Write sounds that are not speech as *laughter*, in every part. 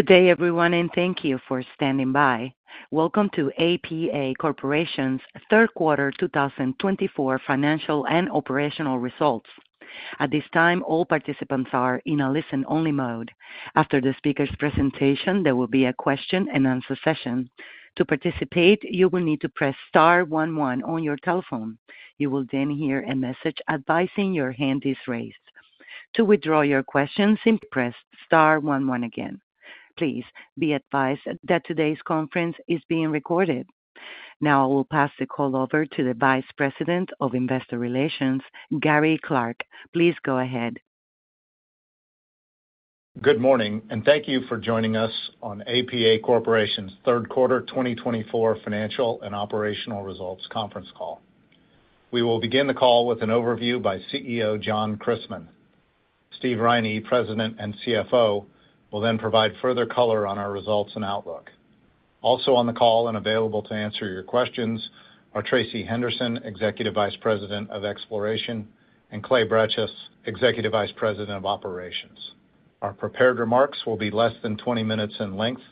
Good day, everyone, and thank you for standing by. Welcome to APA Corporation's Q3 2024 Financial and Operational Results. At this time, all participants are in a listen-only mode. After the speaker's presentation, there will be a question-and-answer session. To participate, you will need to press star one one on your telephone. You will then hear a message advising that your hand is raised. To withdraw your questions, simply press star one one again. Please be advised that today's conference is being recorded. Now, I will pass the call over to the VP of Investor Relations, Gary Clark. Please go ahead. Good morning, and thank you for joining us on APA Corporation's Q3 2024 Financial and Operational Results Conference Call. We will begin the call with an overview by CEO John Christmann. Steve Riney, President and CFO, will then provide further color on our results and outlook. Also on the call and available to answer your questions are Tracey Henderson, EVP of Exploration, and Clay Bretches, EVP of Operations. Our prepared remarks will be less than 20 minutes in length,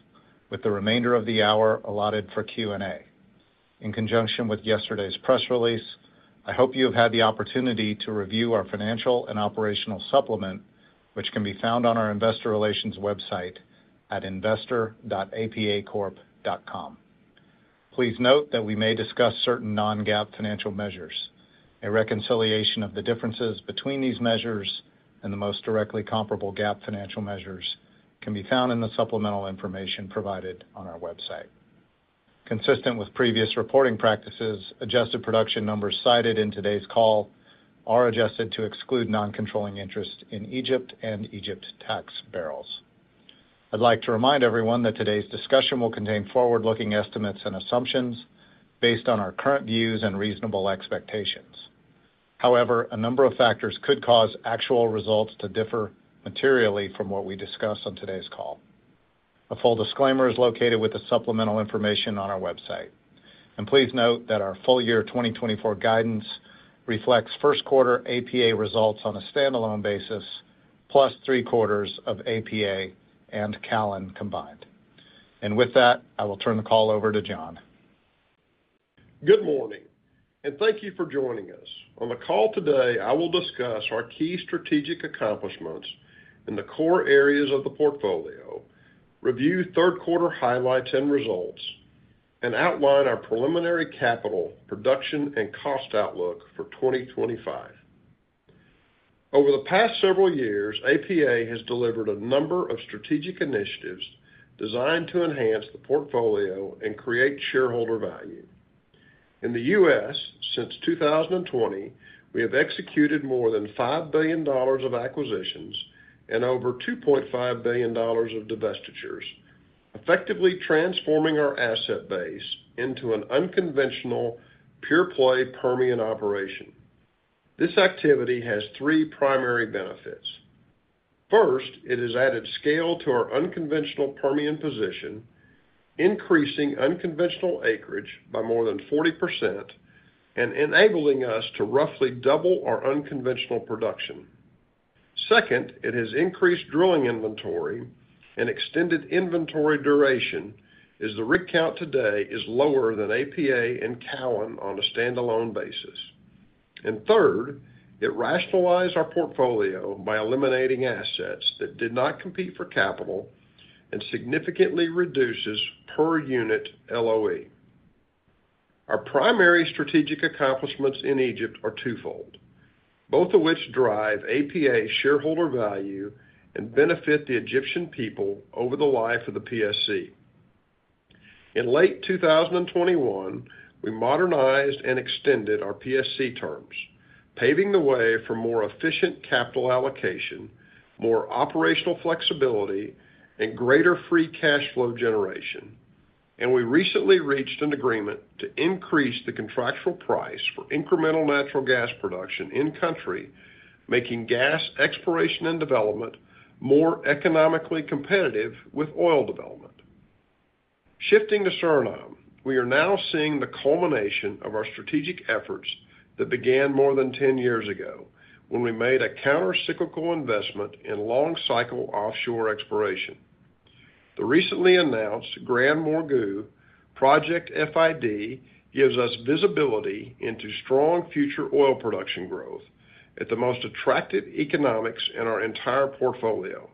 with the remainder of the hour allotted for Q&A. In conjunction with yesterday's press release, I hope you have had the opportunity to review our Financial and Operational supplement, which can be found on our Investor Relations website at investor.apacorp.com. Please note that we may discuss certain non-GAAP financial measures. A reconciliation of the differences between these measures and the most directly comparable GAAP financial measures can be found in the supplemental information provided on our website. Consistent with previous reporting practices, adjusted production numbers cited in today's call are adjusted to exclude non-controlling interest in Egypt and Egypt tax bbl. I'd like to remind everyone that today's discussion will contain forward-looking estimates and assumptions based on our current views and reasonable expectations. However, a number of factors could cause actual results to differ materially from what we discuss on today's call. A full disclaimer is located with the supplemental information on our website, and please note that our full-year 2024 guidance reflects Q1 APA results on a standalone basis, plus 3/4 of APA and Callon combined, and with that, I will turn the call over to John. Good morning, and thank you for joining us. On the call today, I will discuss our key strategic accomplishments in the core areas of the portfolio, review Q3 highlights and results, and outline our preliminary capital production and cost outlook for 2025. Over the past several years, APA has delivered a number of strategic initiatives designed to enhance the portfolio and create shareholder value. In the U.S., since 2020, we have executed more than $5 billion of acquisitions and over $2.5 billion of divestitures, effectively transforming our asset base into an unconventional pure-play Permian operation. This activity has three primary benefits. First, it has added scale to our unconventional Permian position, increasing unconventional acreage by more than 40% and enabling us to roughly double our unconventional production. Second, it has increased drilling inventory, and extended inventory duration, as the return today is lower than APA and Callon on a standalone basis, and third, it rationalized our portfolio by eliminating assets that did not compete for capital and significantly reduces per unit LOE. Our primary strategic accomplishments in Egypt are twofold, both of which drive APA shareholder value and benefit the Egyptian people over the life of the PSC. In late 2021, we modernized and extended our PSC terms, paving the way for more efficient capital allocation, more operational flexibility, and greater free cash flow generation, and we recently reached an agreement to increase the contractual price for incremental natural gas production in-country, making gas exploration and development more economically competitive with oil development. Shifting to Suriname, we are now seeing the culmination of our strategic efforts that began more than 10 years ago when we made a countercyclical investment in long-cycle offshore exploration. The recently announced GranMorgu Project FID gives us visibility into strong future oil production growth at the most attractive economics in our entire portfolio.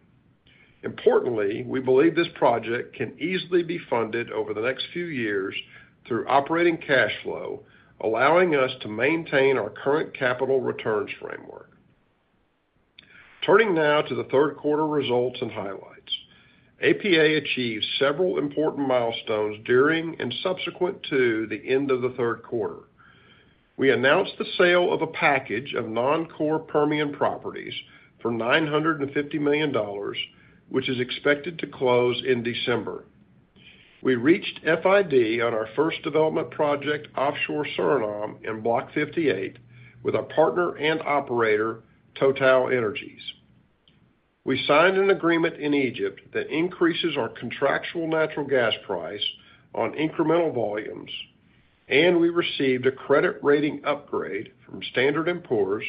Importantly, we believe this project can easily be funded over the next few years through operating cash flow, allowing us to maintain our current capital returns framework. Turning now to the Q3 results and highlights, APA achieved several important milestones during and subsequent to the end of the Q3. We announced the sale of a package of non-core Permian properties for $950 million, which is expected to close in December. We reached FID on our first development project offshore Suriname in Block 58 with our partner and operator TotalEnergies. We signed an agreement in Egypt that increases our contractual natural gas price on incremental volumes, and we received a credit rating upgrade from Standard & Poor's,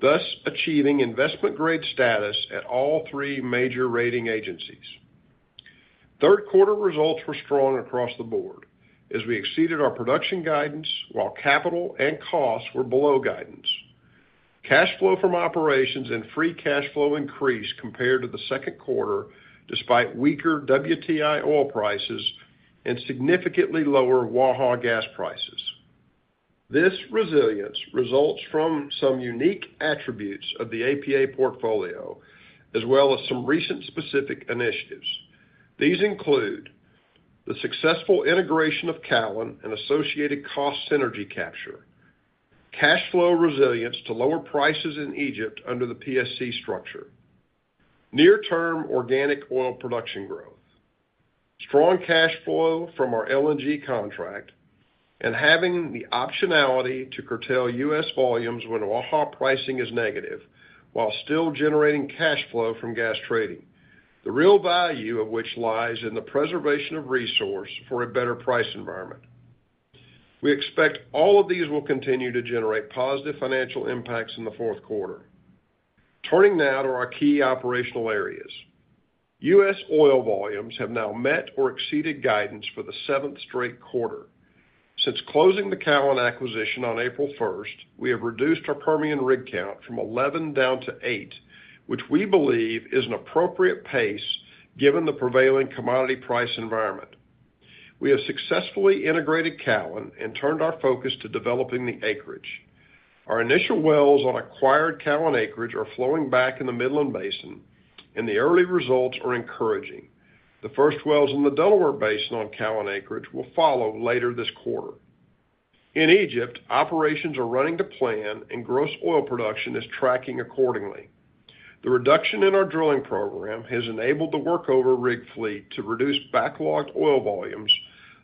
thus achieving investment-grade status at all three major rating agencies. Q3 results were strong across the board as we exceeded our production guidance while capital and costs were below guidance. Cash flow from operations and free cash flow increased compared to the Q2 despite weaker WTI oil prices and significantly lower Waha gas prices. This resilience results from some unique attributes of the APA portfolio, as well as some recent specific initiatives. These include the successful integration of Callon and associated cost synergy capture, cash flow resilience to lower prices in Egypt under the PSC structure, near-term organic oil production growth, strong cash flow from our LNG contract, and having the optionality to curtail U.S. volumes when Waha pricing is negative while still generating cash flow from gas trading, the real value of which lies in the preservation of resource for a better price environment. We expect all of these will continue to generate positive financial impacts in the Q4. Turning now to our key operational areas, U.S. oil volumes have now met or exceeded guidance for the seventh straight quarter. Since closing the Callon acquisition on April 1st, we have reduced our Permian rig count from 11 down to eight, which we believe is an appropriate pace given the prevailing commodity price environment. We have successfully integrated Callon and turned our focus to developing the acreage. Our initial wells on acquired Callon acreage are flowing back in the Midland Basin, and the early results are encouraging. The first wells in the Delaware Basin on Callon acreage will follow later this quarter. In Egypt, operations are running to plan, and gross oil production is tracking accordingly. The reduction in our drilling program has enabled the workover rig fleet to reduce backlogged oil volumes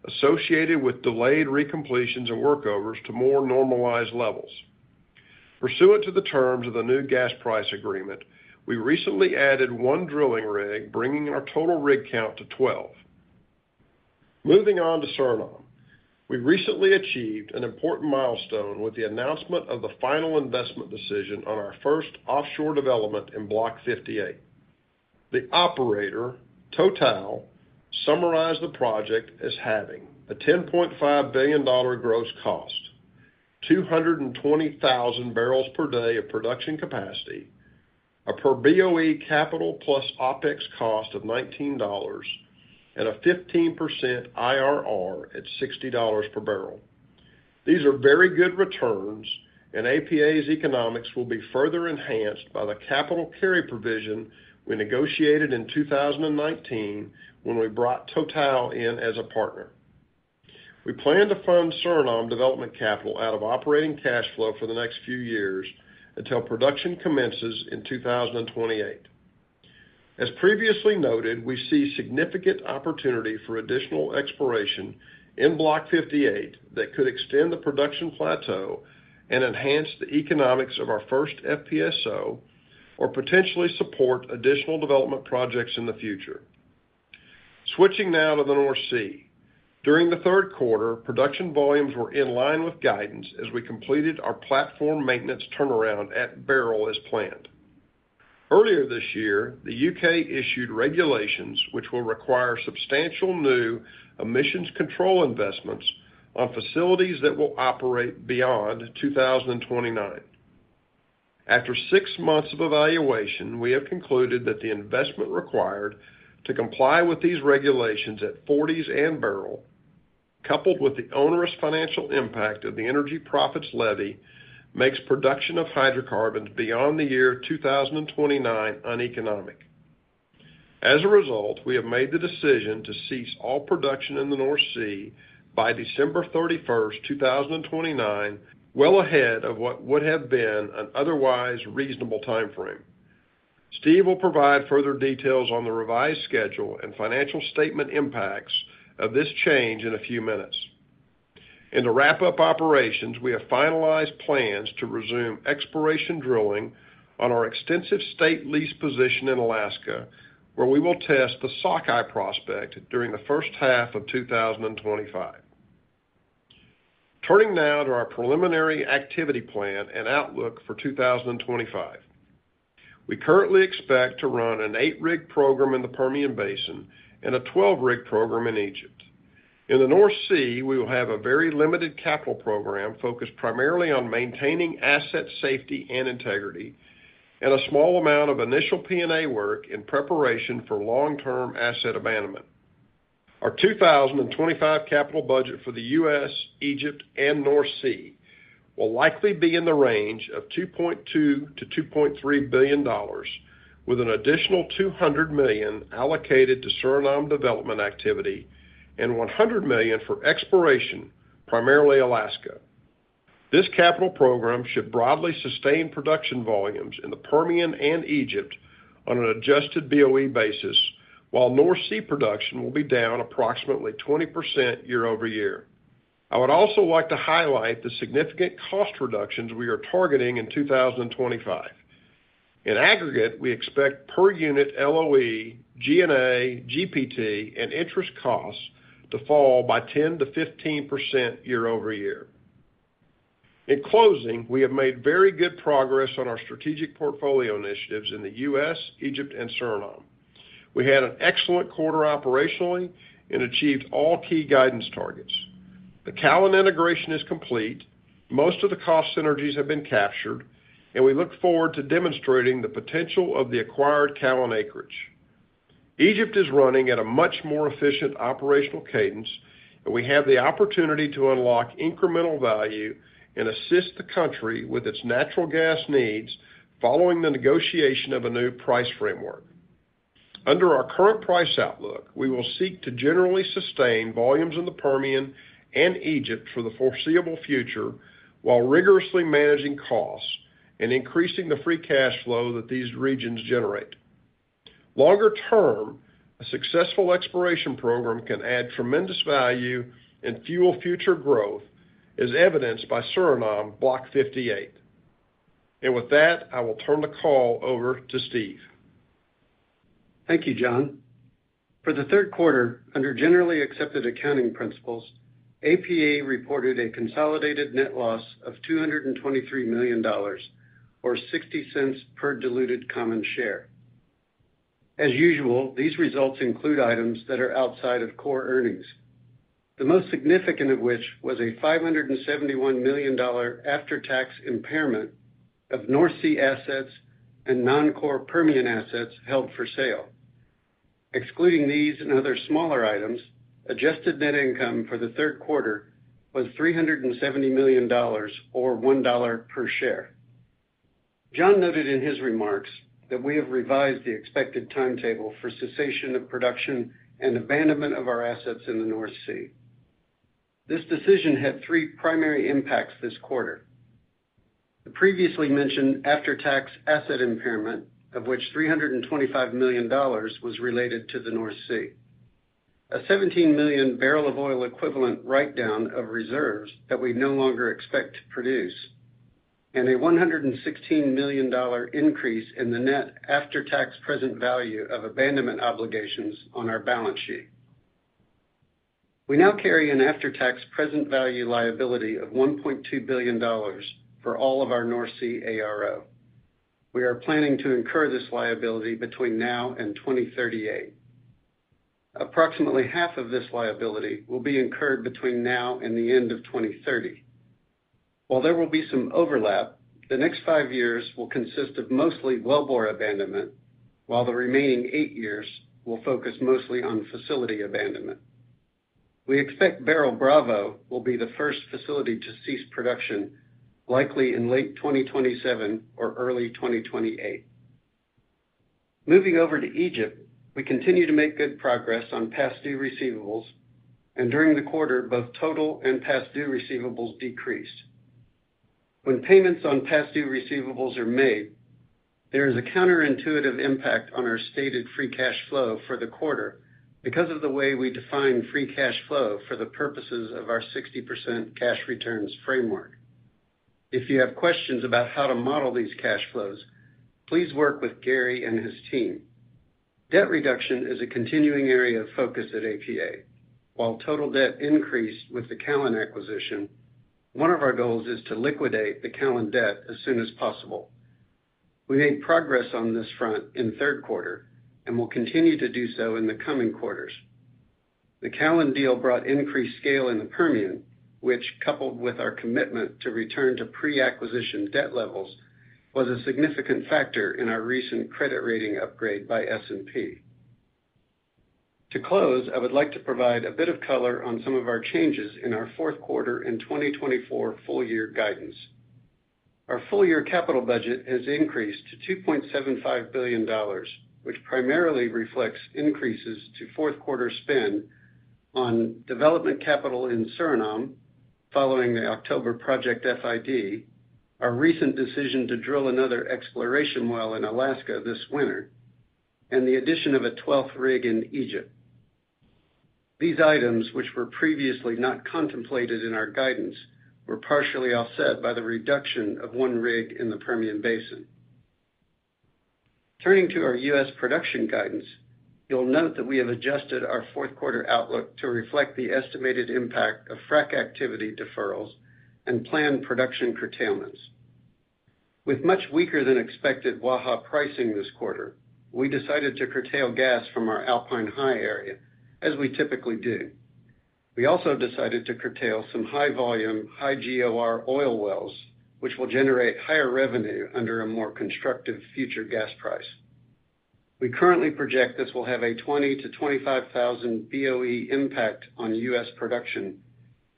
associated with delayed recompletions and workovers to more normalized levels. Pursuant to the terms of the new gas price agreement, we recently added one drilling rig, bringing our total rig count to 12. Moving on to Suriname, we recently achieved an important milestone with the announcement of the final investment decision on our first offshore development in Block 58. The operator, Total, summarized the project as having a $10.5 billion gross cost, 220,000 bbl per day of production capacity, a per BOE capital plus OpEx cost of $19, and a 15% IRR at $60 per bbl. These are very good returns, and APA's economics will be further enhanced by the capital carry provision we negotiated in 2019 when we brought Total in as a partner. We plan to fund Suriname development capital out of operating cash flow for the next few years until production commences in 2028. As previously noted, we see significant opportunity for additional exploration in Block 58 that could extend the production plateau and enhance the economics of our first FPSO or potentially support additional development projects in the future. Switching now to the North Sea, during the Q3, production volumes were in line with guidance as we completed our platform maintenance turnaround at Beryl as planned. Earlier this year, the U.K. issued regulations which will require substantial new emissions control investments on facilities that will operate beyond 2029. After six months of evaluation, we have concluded that the investment required to comply with these regulations at Forties and Beryl, coupled with the onerous financial impact of the Energy Profits Levy, makes production of hydrocarbons beyond the year 2029 uneconomic. As a result, we have made the decision to cease all production in the North Sea by December 31st, 2029, well ahead of what would have been an otherwise reasonable timeframe. Steve will provide further details on the revised schedule and financial statement impacts of this change in a few minutes. In the wrap-up operations, we have finalized plans to resume exploration drilling on our extensive state lease position in Alaska, where we will test the Sockeye prospect during the first half of 2025. Turning now to our preliminary activity plan and outlook for 2025, we currently expect to run an eight-rig program in the Permian Basin and a 12-rig program in Egypt. In the North Sea, we will have a very limited capital program focused primarily on maintaining asset safety and integrity and a small amount of initial P&A work in preparation for long-term asset abandonment. Our 2025 capital budget for the U.S., Egypt, and North Sea will likely be in the range of $2.2 billion-$2.3 billion, with an additional $200 million allocated to Suriname development activity and $100 million for exploration, primarily Alaska. This capital program should broadly sustain production volumes in the Permian and Egypt on an adjusted BOE basis, while North Sea production will be down approximately 20% year-over-year. I would also like to highlight the significant cost reductions we are targeting in 2025. In aggregate, we expect per unit LOE, G&A, GPT, and interest costs to fall by 10%-15% year-over-year. In closing, we have made very good progress on our strategic portfolio initiatives in the U.S., Egypt, and Suriname. We had an excellent quarter operationally and achieved all key guidance targets. The Callon integration is complete, most of the cost synergies have been captured, and we look forward to demonstrating the potential of the acquired Callon acreage. Egypt is running at a much more efficient operational cadence, and we have the opportunity to unlock incremental value and assist the country with its natural gas needs following the negotiation of a new price framework. Under our current price outlook, we will seek to generally sustain volumes in the Permian and Egypt for the foreseeable future while rigorously managing costs and increasing the free cash flow that these regions generate. Longer term, a successful exploration program can add tremendous value and fuel future growth, as evidenced by Suriname Block 58. And with that, I will turn the call over to Steve. Thank you, John. For the Q3, under generally accepted accounting principles, APA reported a consolidated net loss of $223 million, or $0.60 per diluted common share. As usual, these results include items that are outside of core earnings, the most significant of which was a $571 million after-tax impairment of North Sea assets and non-core Permian assets held for sale. Excluding these and other smaller items, adjusted net income for the Q3 was $370 million, or $1 per share. John noted in his remarks that we have revised the expected timetable for cessation of production and abandonment of our assets in the North Sea. This decision had three primary impacts this quarter. The previously mentioned after-tax asset impairment, of which $325 million was related to the North Sea, a 17 million bbl of oil equivalent write-down of reserves that we no longer expect to produce, and a $116 million increase in the net after-tax present value of abandonment obligations on our balance sheet. We now carry an after-tax present value liability of $1.2 billion for all of our North Sea ARO. We are planning to incur this liability between now and 2038. Approximately half of this liability will be incurred between now and the end of 2030. While there will be some overlap, the next five years will consist of mostly wellbore abandonment, while the remaining eight years will focus mostly on facility abandonment. We expect Beryl Bravo will be the first facility to cease production, likely in late 2027 or early 2028. Moving over to Egypt, we continue to make good progress on past due receivables, and during the quarter, both total and past due receivables decreased. When payments on past due receivables are made, there is a counterintuitive impact on our stated free cash flow for the quarter because of the way we define free cash flow for the purposes of our 60% cash returns framework. If you have questions about how to model these cash flows, please work with Gary and his team. Debt reduction is a continuing area of focus at APA. While total debt increased with the Callon acquisition, one of our goals is to liquidate the Callon debt as soon as possible. We made progress on this front in Q3 and will continue to do so in the coming quarters. The Callon deal brought increased scale in the Permian, which, coupled with our commitment to return to pre-acquisition debt levels, was a significant factor in our recent credit rating upgrade by S&P. To close, I would like to provide a bit of color on some of our changes in our Q4 and 2024 full-year guidance. Our full-year capital budget has increased to $2.75 billion, which primarily reflects increases to Q4 spend on development capital in Suriname following the October project FID, our recent decision to drill another exploration well in Alaska this winter, and the addition of a 12th rig in Egypt. These items, which were previously not contemplated in our guidance, were partially offset by the reduction of one rig in the Permian Basin. Turning to our U.S. production guidance, you'll note that we have adjusted our Q4 outlook to reflect the estimated impact of frack activity deferrals and planned production curtailments. With much weaker than expected Waha pricing this quarter, we decided to curtail gas from our Alpine High area, as we typically do. We also decided to curtail some high-volume, high-GOR oil wells, which will generate higher revenue under a more constructive future gas price. We currently project this will have a 20,000-25,000 BOE impact on U.S. production.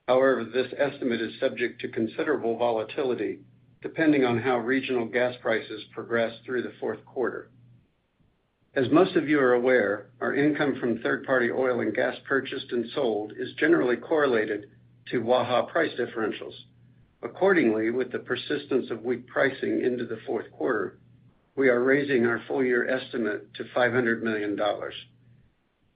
However, this estimate is subject to considerable volatility depending on how regional gas prices progress through the Q4. As most of you are aware, our income from third-party oil and gas purchased and sold is generally correlated to Waha price differentials. Accordingly, with the persistence of weak pricing into the Q4, we are raising our full-year estimate to $500 million,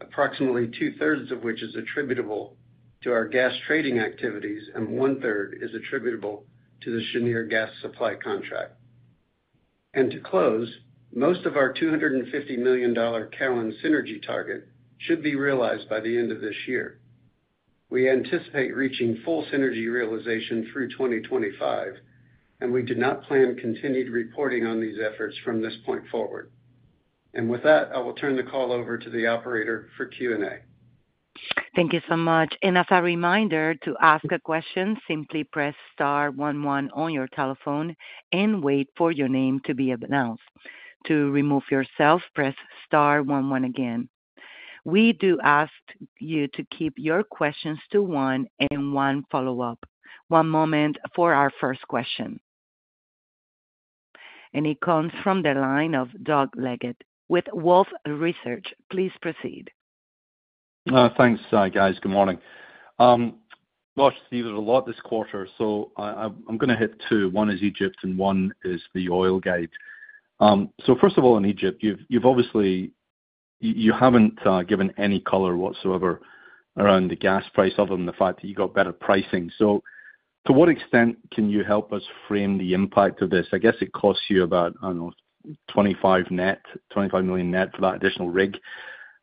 approximately 2/3 of which is attributable to our gas trading activities and 1/3 is attributable to the Cheniere gas supply contract, and to close, most of our $250 million Callon synergy target should be realized by the end of this year. We anticipate reaching full synergy realization through 2025, and we do not plan continued reporting on these efforts from this point forward, and with that, I will turn the call over to the operator for Q&A. Thank you so much, and as a reminder, to ask a question, simply press star one one on your telephone and wait for your name to be announced. To remove yourself, press star one one again. We do ask you to keep your questions to one and one follow-up. One moment for our first question, and it comes from the line of Doug Leggett with Wolfe Research. Please proceed. Thanks, guys. Good morning. Well, Steve, there's a lot this quarter, so I'm going to hit two. One is Egypt, and one is the oil guide. So first of all, in Egypt, you obviously haven't given any color whatsoever around the gas price, other than the fact that you got better pricing. So to what extent can you help us frame the impact of this? I guess it costs you about, I don't know, $25 million, $25 million net for that additional rig.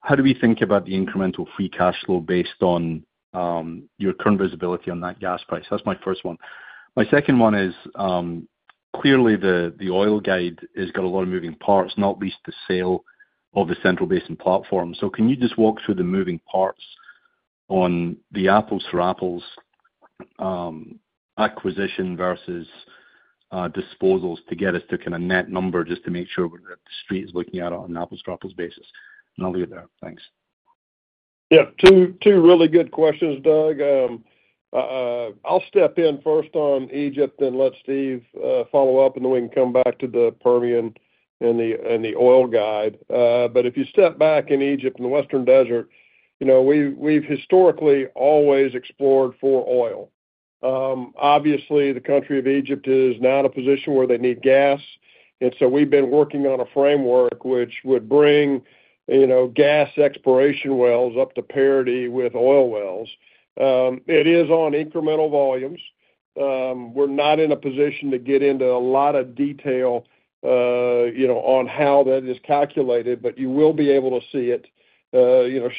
How do we think about the incremental free cash flow based on your current visibility on that gas price? That's my first one. My second one is clearly the oil guide has got a lot of moving parts, not least the sale of the Central Basin Platform. Can you just walk through the moving parts on the apples-for-apples acquisition versus disposals to get us to kind of net number just to make sure that the street is looking at it on an apples-for-apples basis? And I'll leave it there. Thanks. Yeah. Two really good questions, Doug. I'll step in first on Egypt, then let Steve follow up, and then we can come back to the Permian and the oil guide. But if you step back in Egypt and the Western Desert, we've historically always explored for oil. Obviously, the country of Egypt is now in a position where they need gas. So we've been working on a framework which would bring gas exploration wells up to parity with oil wells. It is on incremental volumes. We're not in a position to get into a lot of detail on how that is calculated, but you will be able to see it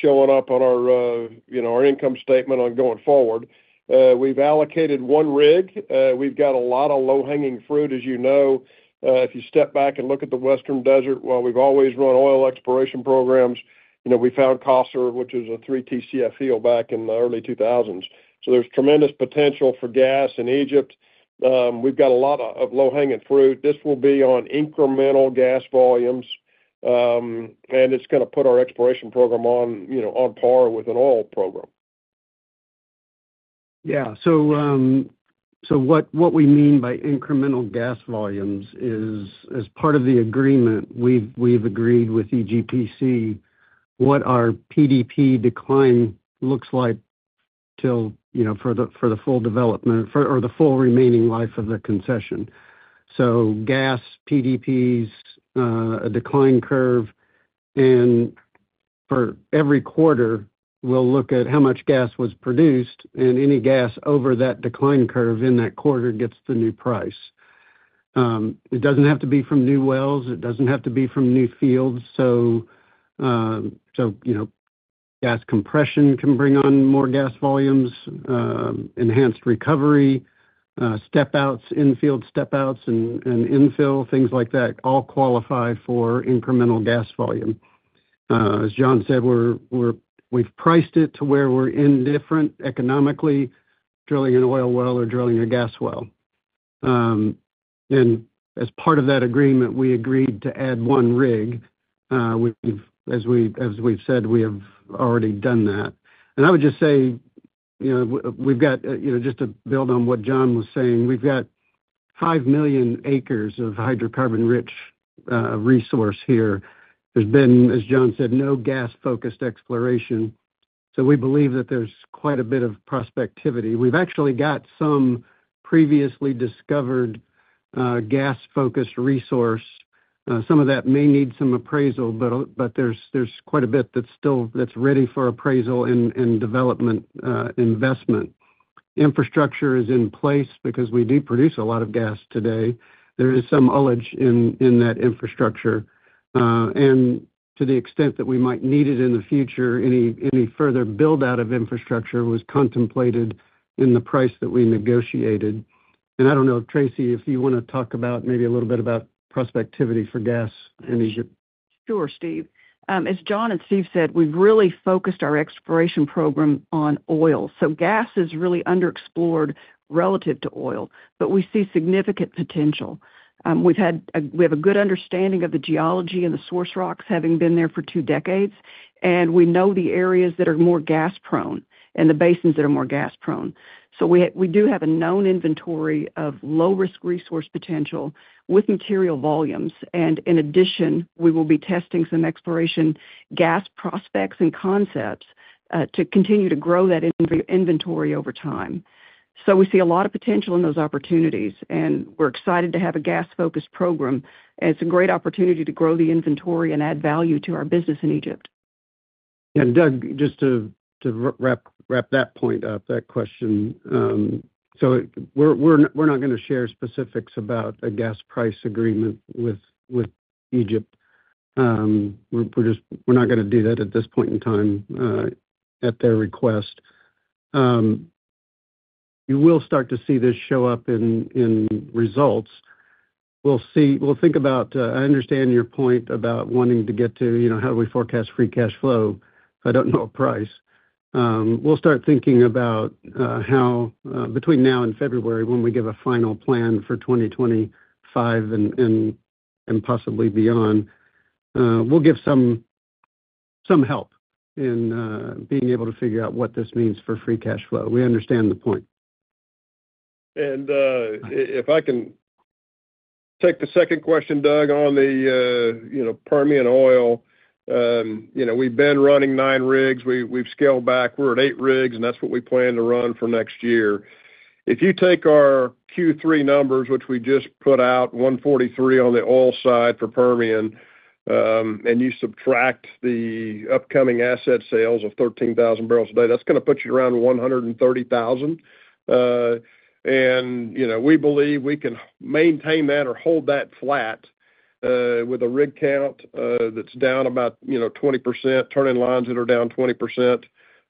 showing up on our income statement going forward. We've allocated one rig. We've got a lot of low-hanging fruit, as you know. If you step back and look at the Western Desert, well, we've always run oil exploration programs. We found Qasr, which was a 3 TCF field back in the early 2000s. So there's tremendous potential for gas in Egypt. We've got a lot of low-hanging fruit. This will be on incremental gas volumes, and it's going to put our exploration program on par with an oil program. Yeah. So what we mean by incremental gas volumes is, as part of the agreement, we've agreed with EGPC what our PDP decline looks like for the full development or the full remaining life of the concession. So gas, PDPs, a decline curve. And for every quarter, we'll look at how much gas was produced, and any gas over that decline curve in that quarter gets the new price. It doesn't have to be from new wells. It doesn't have to be from new fields. So gas compression can bring on more gas volumes, enhanced recovery, step-outs, in-field step-outs, and infill, things like that all qualify for incremental gas volume. As John said, we've priced it to where we're indifferent economically drilling an oil well or drilling a gas well and as part of that agreement, we agreed to add one rig. As we've said, we have already done that. I would just say we've got just to build on what John was saying, we've got 5 million acres of hydrocarbon-rich resource here. There's been, as John said, no gas-focused exploration. So we believe that there's quite a bit of prospectivity. We've actually got some previously discovered gas-focused resource. Some of that may need some appraisal, but there's quite a bit that's ready for appraisal and development investment. Infrastructure is in place because we do produce a lot of gas today. There is some ullage in that infrastructure and to the extent that we might need it in the future, any further build-out of infrastructure was contemplated in the price that we negotiated. I don't know, Tracey, if you want to talk about maybe a little bit about prospectivity for gas in Egypt. Sure, Steve. As John and Steve said, we've really focused our exploration program on oil. So gas is really underexplored relative to oil, but we see significant potential. We have a good understanding of the geology and the source rocks having been there for two decades, and we know the areas that are more gas-prone and the basins that are more gas-prone. So we do have a known inventory of low-risk resource potential with material volumes. And in addition, we will be testing some exploration gas prospects and concepts to continue to grow that inventory over time. So we see a lot of potential in those opportunities, and we're excited to have a gas-focused program. It's a great opportunity to grow the inventory and add value to our business in Egypt. Yeah. Doug, just to wrap that point up, that question. So we're not going to share specifics about a gas price agreement with Egypt. We're not going to do that at this point in time at their request. You will start to see this show up in results. We'll think about. I understand your point about wanting to get to how do we forecast free cash flow if I don't know a price. We'll start thinking about how between now and February, when we give a final plan for 2025 and possibly beyond, we'll give some help in being able to figure out what this means for free cash flow. We understand the point. If I can take the second question, Doug, on the Permian oil, we've been running nine rigs. We've scaled back. We're at eight rigs, and that's what we plan to run for next year. If you take our Q3 numbers, which we just put out, 143 on the oil side for Permian, and you subtract the upcoming asset sales of 13,000 bbl a day, that's going to put you around 130,000. We believe we can maintain that or hold that flat with a rig count that's down about 20%, turning lines that are down 20%,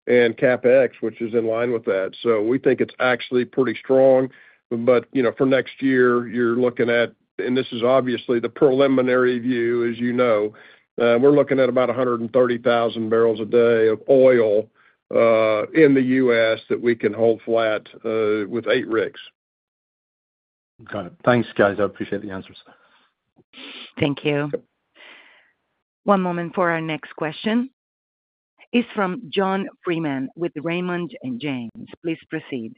and CapEx, which is in line with that. We think it's actually pretty strong. For next year, you're looking at, and this is obviously the preliminary view, as you know, we're looking at about 130,000 bbl a day of oil in the U.S. that we can hold flat with eight rigs. Got it. Thanks, guys. I appreciate the answers. Thank you. One moment for our next question. It's from John Freeman with Raymond James. Please proceed.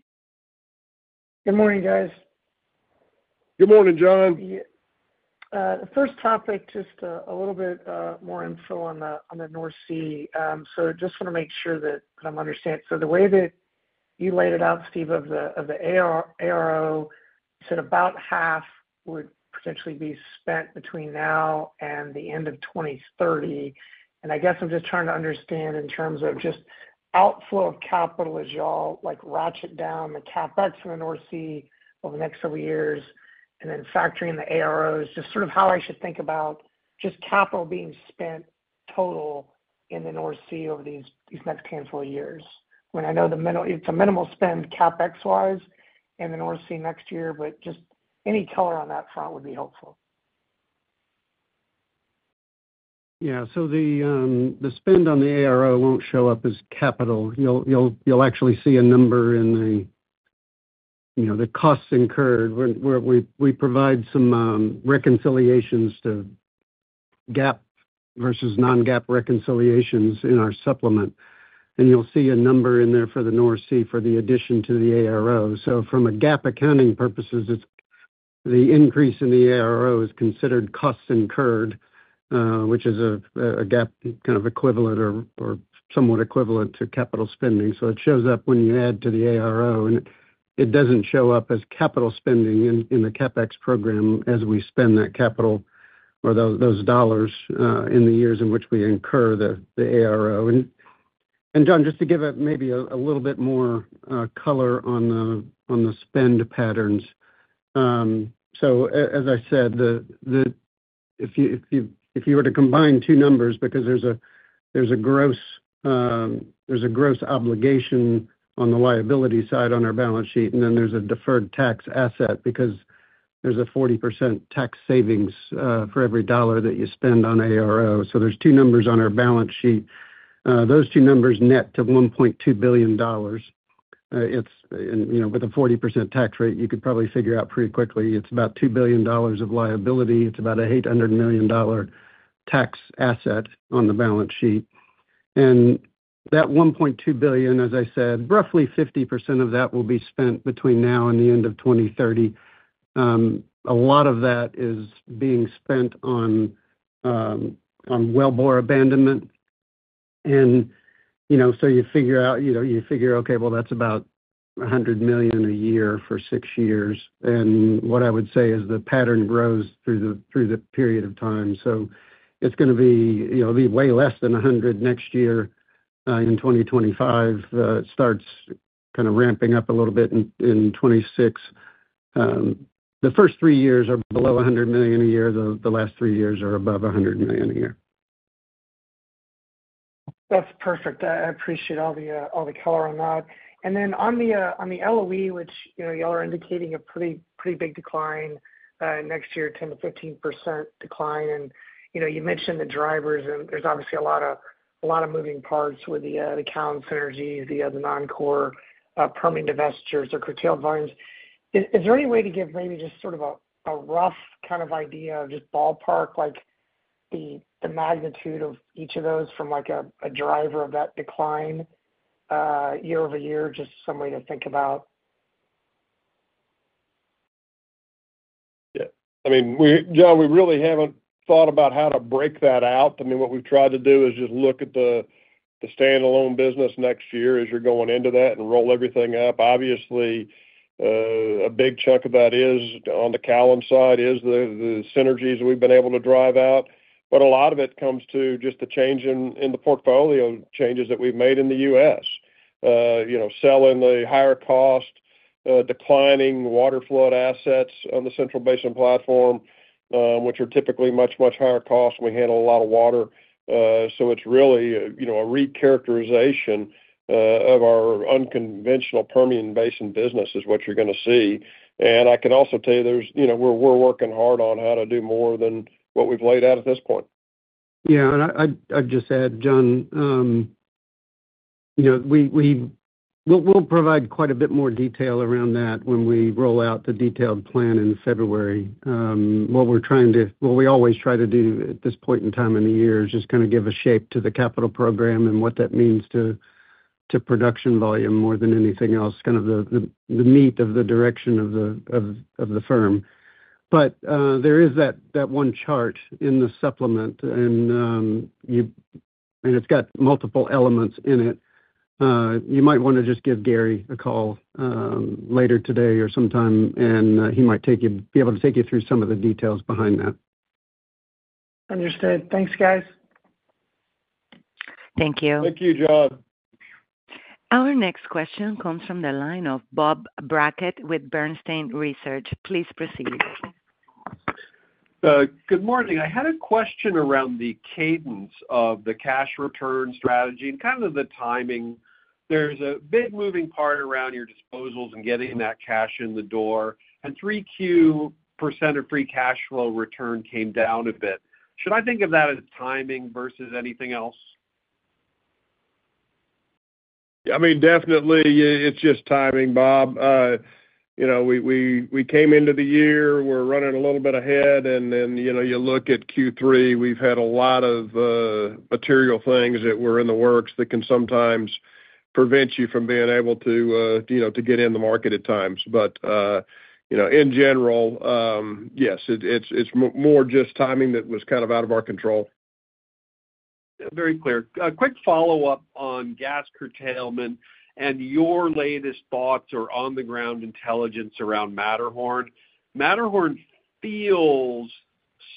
Good morning, guys. Good morning, John. The first topic, just a little bit more info on the North Sea. So just want to make sure that I'm understanding. So the way that you laid it out, Steve, of the ARO, you said about half would potentially be spent between now and the end of 2030. And I guess I'm just trying to understand in terms of just outflow of capital as y'all ratchet down the CapEx in the North Sea over the next several years, and then factoring the AROs, just sort of how I should think about just capital being spent total in the North Sea over these next handful of years. I mean, I know it's a minimal spend CapEx-wise in the North Sea next year, but just any color on that front would be helpful. Yeah. So the spend on the ARO won't show up as capital. You'll actually see a number in the costs incurred. We provide some reconciliations to GAAP versus non-GAAP reconciliations in our supplement and you'll see a number in there for the North Sea for the addition to the ARO. So from a GAAP accounting purposes, the increase in the ARO is considered costs incurred, which is a GAAP kind of equivalent or somewhat equivalent to capital spending. So it shows up when you add to the ARO, and it doesn't show up as capital spending in the CapEx program as we spend that capital or those dollars in the years in which we incur the ARO. John, just to give it maybe a little bit more color on the spend patterns. So as I said, if you were to combine two numbers, because there's a gross obligation on the liability side on our balance sheet, and then there's a deferred tax asset because there's a 40% tax savings for every dollar that you spend on ARO. So there's two numbers on our balance sheet. Those two numbers net to $1.2 billion. And with a 40% tax rate, you could probably figure out pretty quickly it's about $2 billion of liability. It's about a $800 million tax asset on the balance sheet. And that $1.2 billion, as I said, roughly 50% of that will be spent between now and the end of 2030. A lot of that is being spent on wellbore abandonment. And so you figure out, you figure, okay, well, that's about 100 million a year for six years. What I would say is the pattern grows through the period of time. So it's going to be way less than $100 million next year. In 2025, it starts kind of ramping up a little bit in 2026. The first three years are below $100 million a year. The last three years are above $100 million a year. That's perfect. I appreciate all the color on that. And then on the LOE, which y'all are indicating a pretty big decline next year, 10%-15% decline. And you mentioned the drivers, and there's obviously a lot of moving parts with the Callon synergy, the other non-core Permian divestitures or curtailed volumes. Is there any way to give maybe just sort of a rough kind of idea of just ballpark, like the magnitude of each of those from a driver of that decline year-over-year, just some way to think about? Yeah. I mean, John, we really haven't thought about how to break that out. I mean, what we've tried to do is just look at the standalone business next year as you're going into that and roll everything up. Obviously, a big chunk of that is on the Callon side is the synergies we've been able to drive out. But a lot of it comes to just the change in the portfolio changes that we've made in the U.S., selling the higher cost, declining water flood assets on the Central Basin Platform, which are typically much, much higher cost. We handle a lot of water. So it's really a recharacterization of our unconventional Permian Basin business is what you're going to see. And I can also tell you we're working hard on how to do more than what we've laid out at this point. Yeah, and I'd just add, John, we'll provide quite a bit more detail around that when we roll out the detailed plan in February. What we always try to do at this point in time in the year is just kind of give a shape to the capital program and what that means to production volume more than anything else, kind of the meat of the direction of the firm. But there is that one chart in the supplement, and it's got multiple elements in it. You might want to just give Gary a call later today or sometime, and he might be able to take you through some of the details behind that. Understood. Thanks, guys. Thank you. Thank you, John. Our next question comes from the line of Bob Brackett with Bernstein Research. Please proceed. Good morning. I had a question around the cadence of the cash return strategy and kind of the timing. There's a big moving part around your disposals and getting that cash in the door and Q3% of free cash flow return came down a bit. Should I think of that as timing versus anything else? Yeah. I mean, definitely, it's just timing, Bob. We came into the year. We're running a little bit ahead. And then you look at Q3, we've had a lot of material things that were in the works that can sometimes prevent you from being able to get in the market at times. But in general, yes, it's more just timing that was kind of out of our control. Very clear. Quick follow-up on gas curtailment and your latest thoughts or on-the-ground intelligence around Matterhorn. Matterhorn feels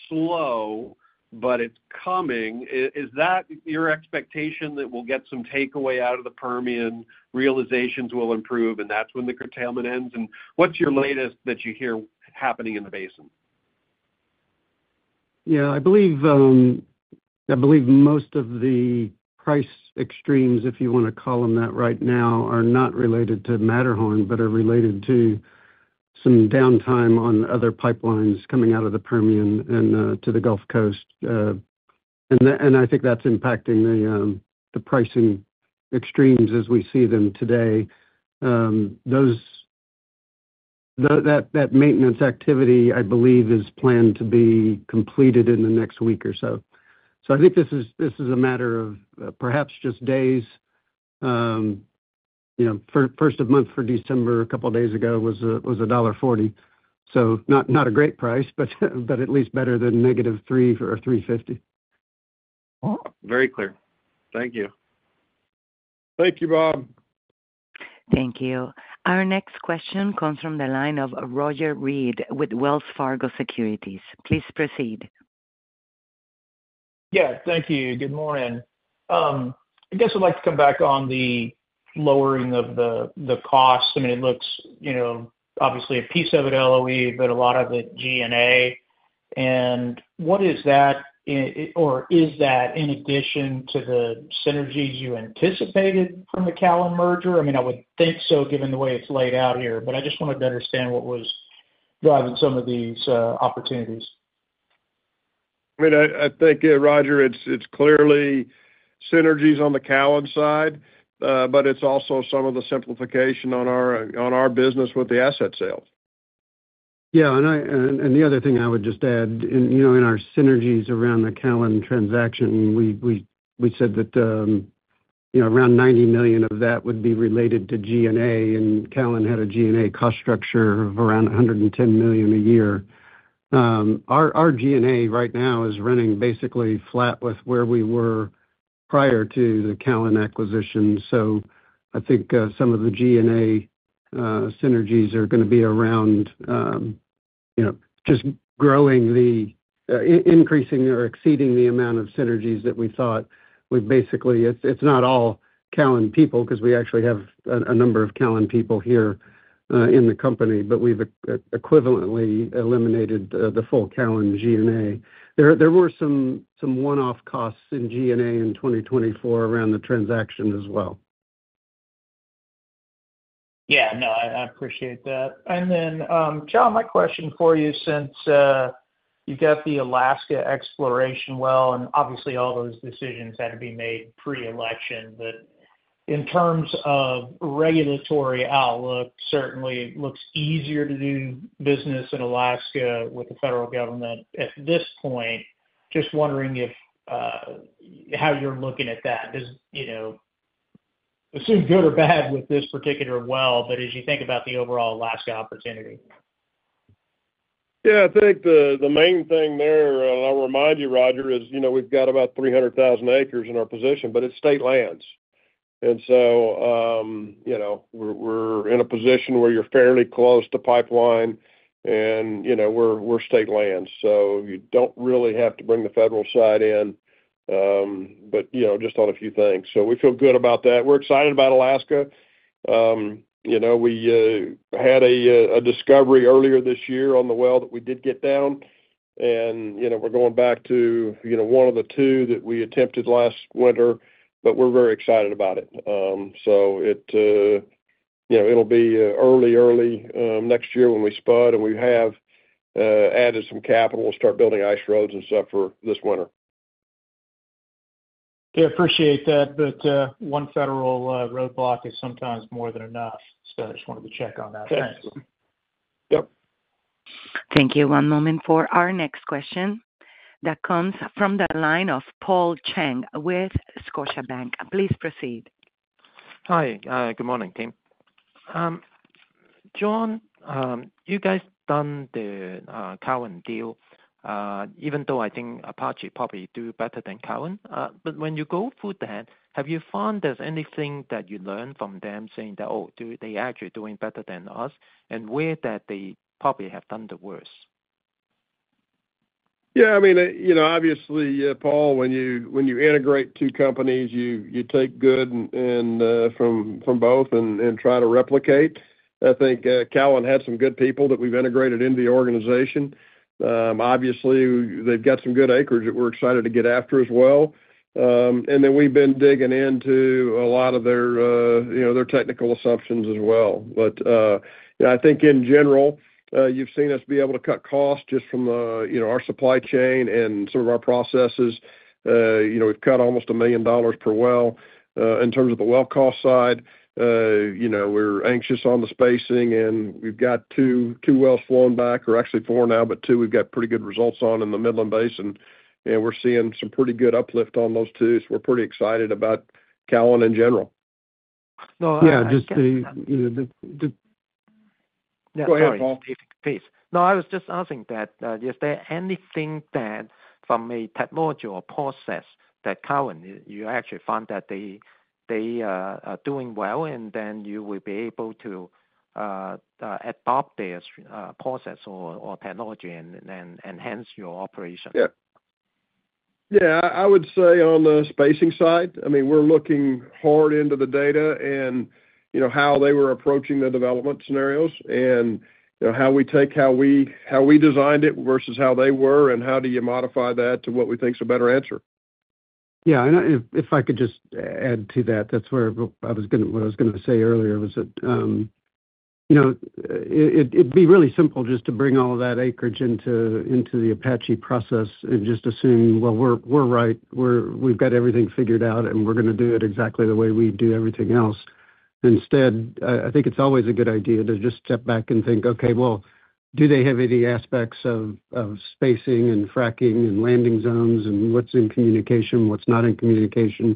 slow, but it's coming. Is that your expectation that we'll get some takeaway out of the Permian, realizations will improve, and that's when the curtailment ends? And what's your latest that you hear happening in the basin? Yeah. I believe most of the price extremes, if you want to call them that right now, are not related to Matterhorn but are related to some downtime on other pipelines coming out of the Permian and to the Gulf Coast, and I think that's impacting the pricing extremes as we see them today. That maintenance activity, I believe, is planned to be completed in the next week or so. So I think this is a matter of perhaps just days. First of month for December a couple of days ago was $1.40. So not a great price, but at least better than -$3 or $3.50. Very clear. Thank you. Thank you, Bob. Thank you. Our next question comes from the line of Roger Read with Wells Fargo Securities. Please proceed. Yeah. Thank you. Good morning. I guess I'd like to come back on the lowering of the cost. I mean, it looks obviously a piece of it LOE, but a lot of it G&A, and what is that, or is that in addition to the synergies you anticipated from the Callon merger? I mean, I would think so given the way it's laid out here, but I just wanted to understand what was driving some of these opportunities. I mean, I think, Roger, it's clearly synergies on the Callon side, but it's also some of the simplification on our business with the asset sales. Yeah. And the other thing I would just add, in our synergies around the Callon transaction, we said that around $90 million of that would be related to G&A, and Callon had a G&A cost structure of around $110 million a year. Our G&A right now is running basically flat with where we were prior to the Callon acquisition. So I think some of the G&A synergies are going to be around just growing, increasing, or exceeding the amount of synergies that we thought. It's not all Callon people because we actually have a number of Callon people here in the company, but we've equivalently eliminated the full Callon G&A. There were some one-off costs in G&A in 2024 around the transaction as well. Yeah. No, I appreciate that. And then, John, my question for you since you've got the Alaska exploration well, and obviously all those decisions had to be made pre-election, but in terms of regulatory outlook, certainly it looks easier to do business in Alaska with the federal government at this point. Just wondering how you're looking at that. Assume good or bad with this particular well, but as you think about the overall Alaska opportunity. Yeah. I think the main thing there, and I'll remind you, Roger, is we've got about 300,000 acres in our possession, but it's state lands. And so we're in a position where you're fairly close to pipeline, and we're state lands. So you don't really have to bring the federal side in, but just on a few things. So we feel good about that. We're excited about Alaska. We had a discovery earlier this year on the well that we did get down and we're going back to one of the two that we attempted last winter, but we're very excited about it. So it'll be early, early next year when we spud, and we have added some capital. We'll start building ice roads and stuff for this winter. Yeah. Appreciate that. But one federal roadblock is sometimes more than enough. So I just wanted to check on that. Thanks. Yep. Thank you. One moment for our next question that comes from the line of Paul Cheng with Scotiabank. Please proceed. Hi. Good morning, team. John, you guys done the Callon deal, even though I think Apache probably do better than Callon. But when you go through that, have you found there's anything that you learned from them saying that, "Oh, they're actually doing better than us," and where that they probably have done the worst? Yeah. I mean, obviously, Paul, when you integrate two companies, you take good from both and try to replicate. I think Callon had some good people that we've integrated into the organization. Obviously, they've got some good acres that we're excited to get after as well. And then we've been digging into a lot of their technical assumptions as well. But I think in general, you've seen us be able to cut costs just from our supply chain and some of our processes. We've cut almost $1,000,000 per well in terms of the well cost side. We're anxious on the spacing, and we've got two wells flown back. We're actually four now, but two we've got pretty good results on in the Midland Basin. And we're seeing some pretty good uplift on those two. So we're pretty excited about Callon in general. *crosstalk* Go ahead, Paul. Please. No, I was just asking that, is there anything that from a technology or process that Callon, you actually found that they are doing well, and then you will be able to adopt their process or technology and enhance your operation? Yeah. Yeah. I would say on the spacing side, I mean, we're looking hard into the data and how they were approaching the development scenarios and how we take how we designed it versus how they were and how do you modify that to what we think is a better answer. Yeah. And if I could just add to that, that's where I was going to say earlier was that it'd be really simple just to bring all of that acreage into the Apache process and just assume, "Well, we're right. We've got everything figured out, and we're going to do it exactly the way we do everything else." Instead, I think it's always a good idea to just step back and think, "Okay, well, do they have any aspects of spacing and fracking and landing zones and what's in communication, what's not in communication?"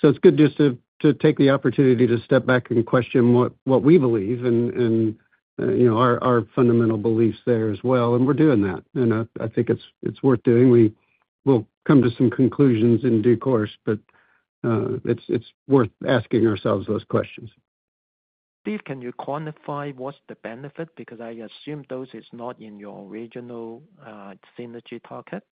So it's good just to take the opportunity to step back and question what we believe and our fundamental beliefs there as well and we're doing that. And I think it's worth doing. We'll come to some conclusions in due course, but it's worth asking ourselves those questions. Steve, can you quantify what's the benefit? Because I assume those are not in your original synergy target.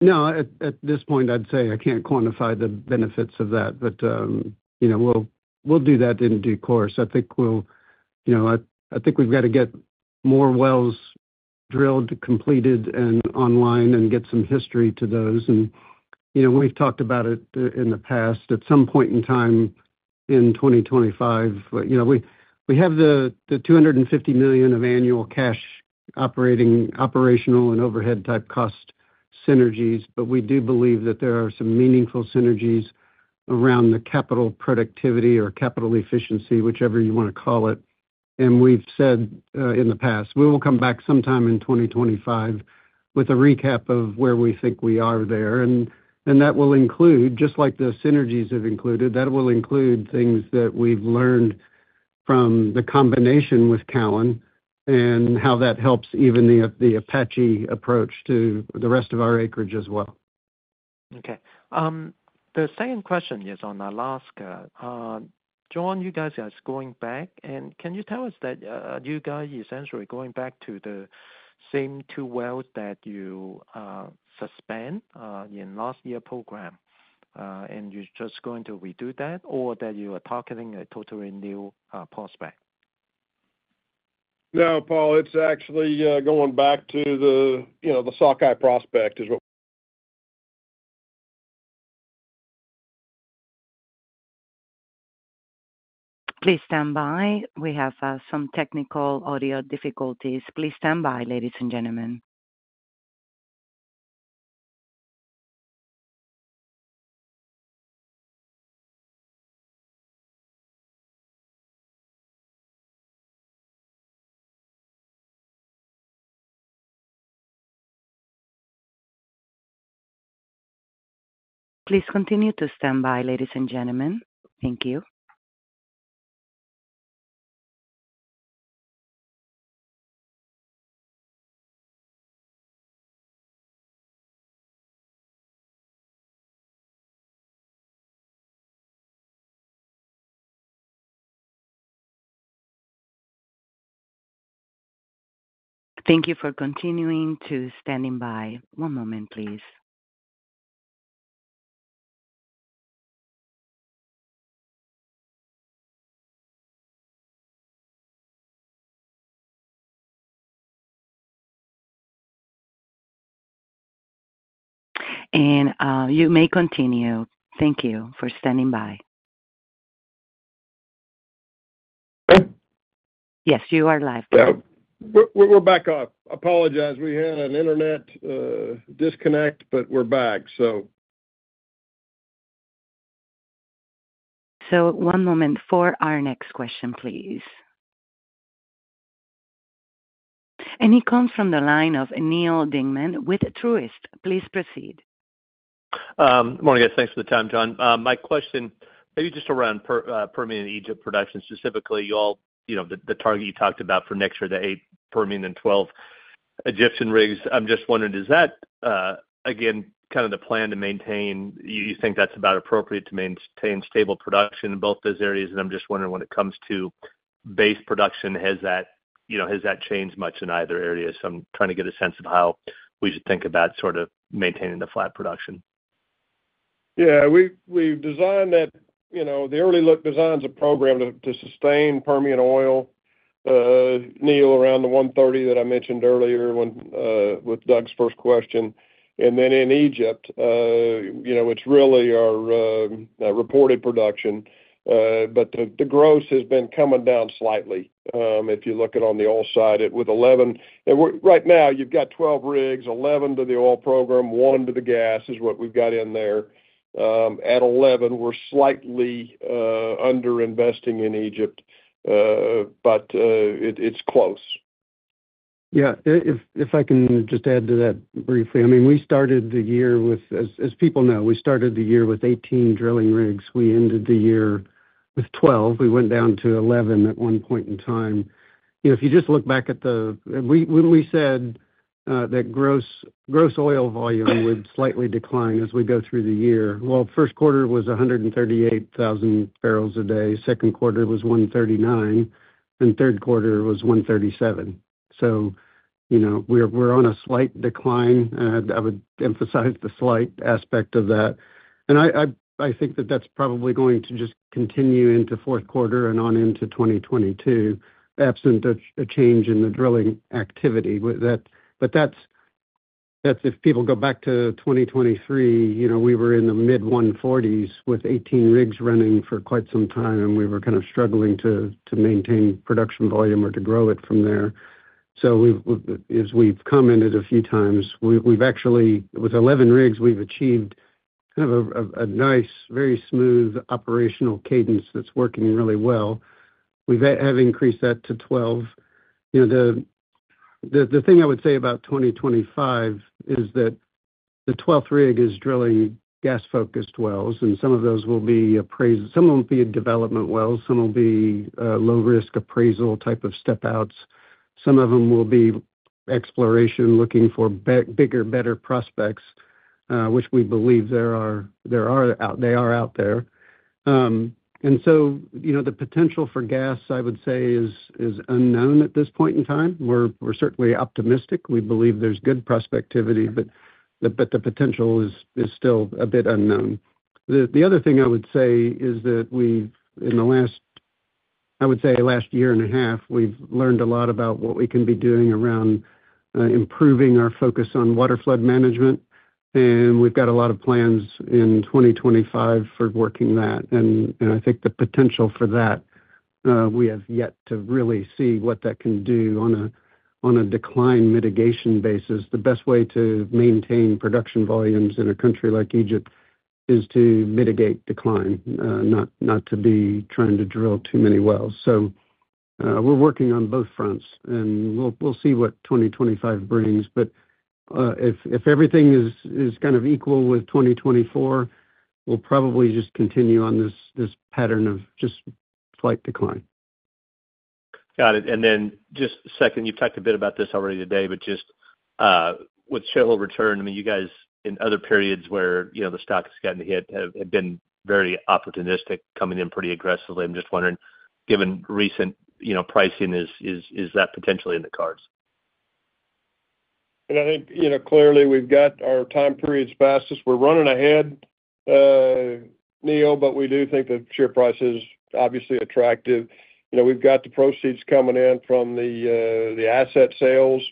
No. At this point, I'd say I can't quantify the benefits of that, but we'll do that in due course. I think we've got to get more wells drilled, completed, and online, and get some history to those. And we've talked about it in the past. At some point in time in 2025, we have the $250 million of annual cash operating and overhead-type cost synergies, but we do believe that there are some meaningful synergies around the capital productivity or capital efficiency, whichever you want to call it. We've said in the past, we will come back sometime in 2025 with a recap of where we think we are there. That will include, just like the synergies have included, that will include things that we've learned from the combination with Callon and how that helps even the Apache approach to the rest of our acreage as well. Okay. The second question is on Alaska. John, you guys are going back, and can you tell us that you guys essentially going back to the same two wells that you suspend in last year's program, and you're just going to redo that, or that you are targeting a totally new prospect? No, Paul. It's actually going back to the Sockeye prospect is what. Please stand by. We have some technical audio difficulties. Please stand by, ladies and gentlemen. Please continue to stand by, ladies and gentlemen. Thank you. Thank you for continuing to standing by. One moment, please. And you may continue. Thank you for standing by. Okay. Yes, you are live. We're back up. Apologize. We had an internet disconnect, but we're back, so. So one moment for our next question, please, and it comes from the line of Neal Dingmann with Truist. Please proceed. Good morning, guys. Thanks for the time, John. My question, maybe just around Permian Egypt production specifically, the target you talked about for next year, the eight Permian and 12 Egyptian rigs. I'm just wondering, is that, again, kind of the plan to maintain? You think that's about appropriate to maintain stable production in both those areas? I'm just wondering, when it comes to base production, has that changed much in either area? So I'm trying to get a sense of how we should think about sort of maintaining the flat production. Yeah. We've designed that. The early look designs are programmed to sustain Permian oil, Neal, around the 130 that I mentioned earlier with Doug's first question and then in Egypt, it's really our reported production, but the gross has been coming down slightly. If you look at it on the oil side, with 11 right now, you've got 12 rigs, 11 to the oil program, one to the gas is what we've got in there. At 11, we're slightly under-investing in Egypt, but it's close. Yeah. If I can just add to that briefly, I mean, we started the year with, as people know, we started the year with 18 drilling rigs. We ended the year with 12. We went down to 11 at one point in time. If you just look back at the when we said that gross oil volume would slightly decline as we go through the year, well, Q1 was 138,000 bbl a day. Q2 was 139,000 bbl a day and Q3 was 137, 000 bbl a day. So we're on a slight decline. I would emphasize the slight aspect of that. And I think that that's probably going to just continue into Q4 and on into 2022, absent a change in the drilling activity. But that's if people go back to 2023, we were in the mid-140s with 18 rigs running for quite some time, and we were kind of struggling to maintain production volume or to grow it from there. So as we've commented a few times, with 11 rigs, we've achieved kind of a nice, very smooth operational cadence that's working really well. We have increased that to 12. The thing I would say about 2025 is that the 12th rig is drilling gas-focused wells, and some of those will be appraisal. Some of them will be development wells. Some will be low-risk appraisal type of step-outs. Some of them will be exploration, looking for bigger, better prospects, which we believe they are out there and so the potential for gas, I would say, is unknown at this point in time. We're certainly optimistic. We believe there's good prospectivity, but the potential is still a bit unknown. The other thing I would say is that in the last, I would say, last year and a half, we've learned a lot about what we can be doing around improving our focus on water flood management, and we've got a lot of plans in 2025 for working that, and I think the potential for that, we have yet to really see what that can do on a decline mitigation basis. The best way to maintain production volumes in a country like Egypt is to mitigate decline, not to be trying to drill too many wells, so we're working on both fronts, and we'll see what 2025 brings, but if everything is kind of equal with 2024, we'll probably just continue on this pattern of just slight decline. Got it and then just a second, you talked a bit about this already today, but just with share return, I mean, you guys in other periods where the stock has gotten hit have been very opportunistic, coming in pretty aggressively. I'm just wondering, given recent pricing, is that potentially in the cards? Well, I think clearly we've got our time periods fastest. We're running ahead, Neal, but we do think the share price is obviously attractive. We've got the proceeds coming in from the asset sales.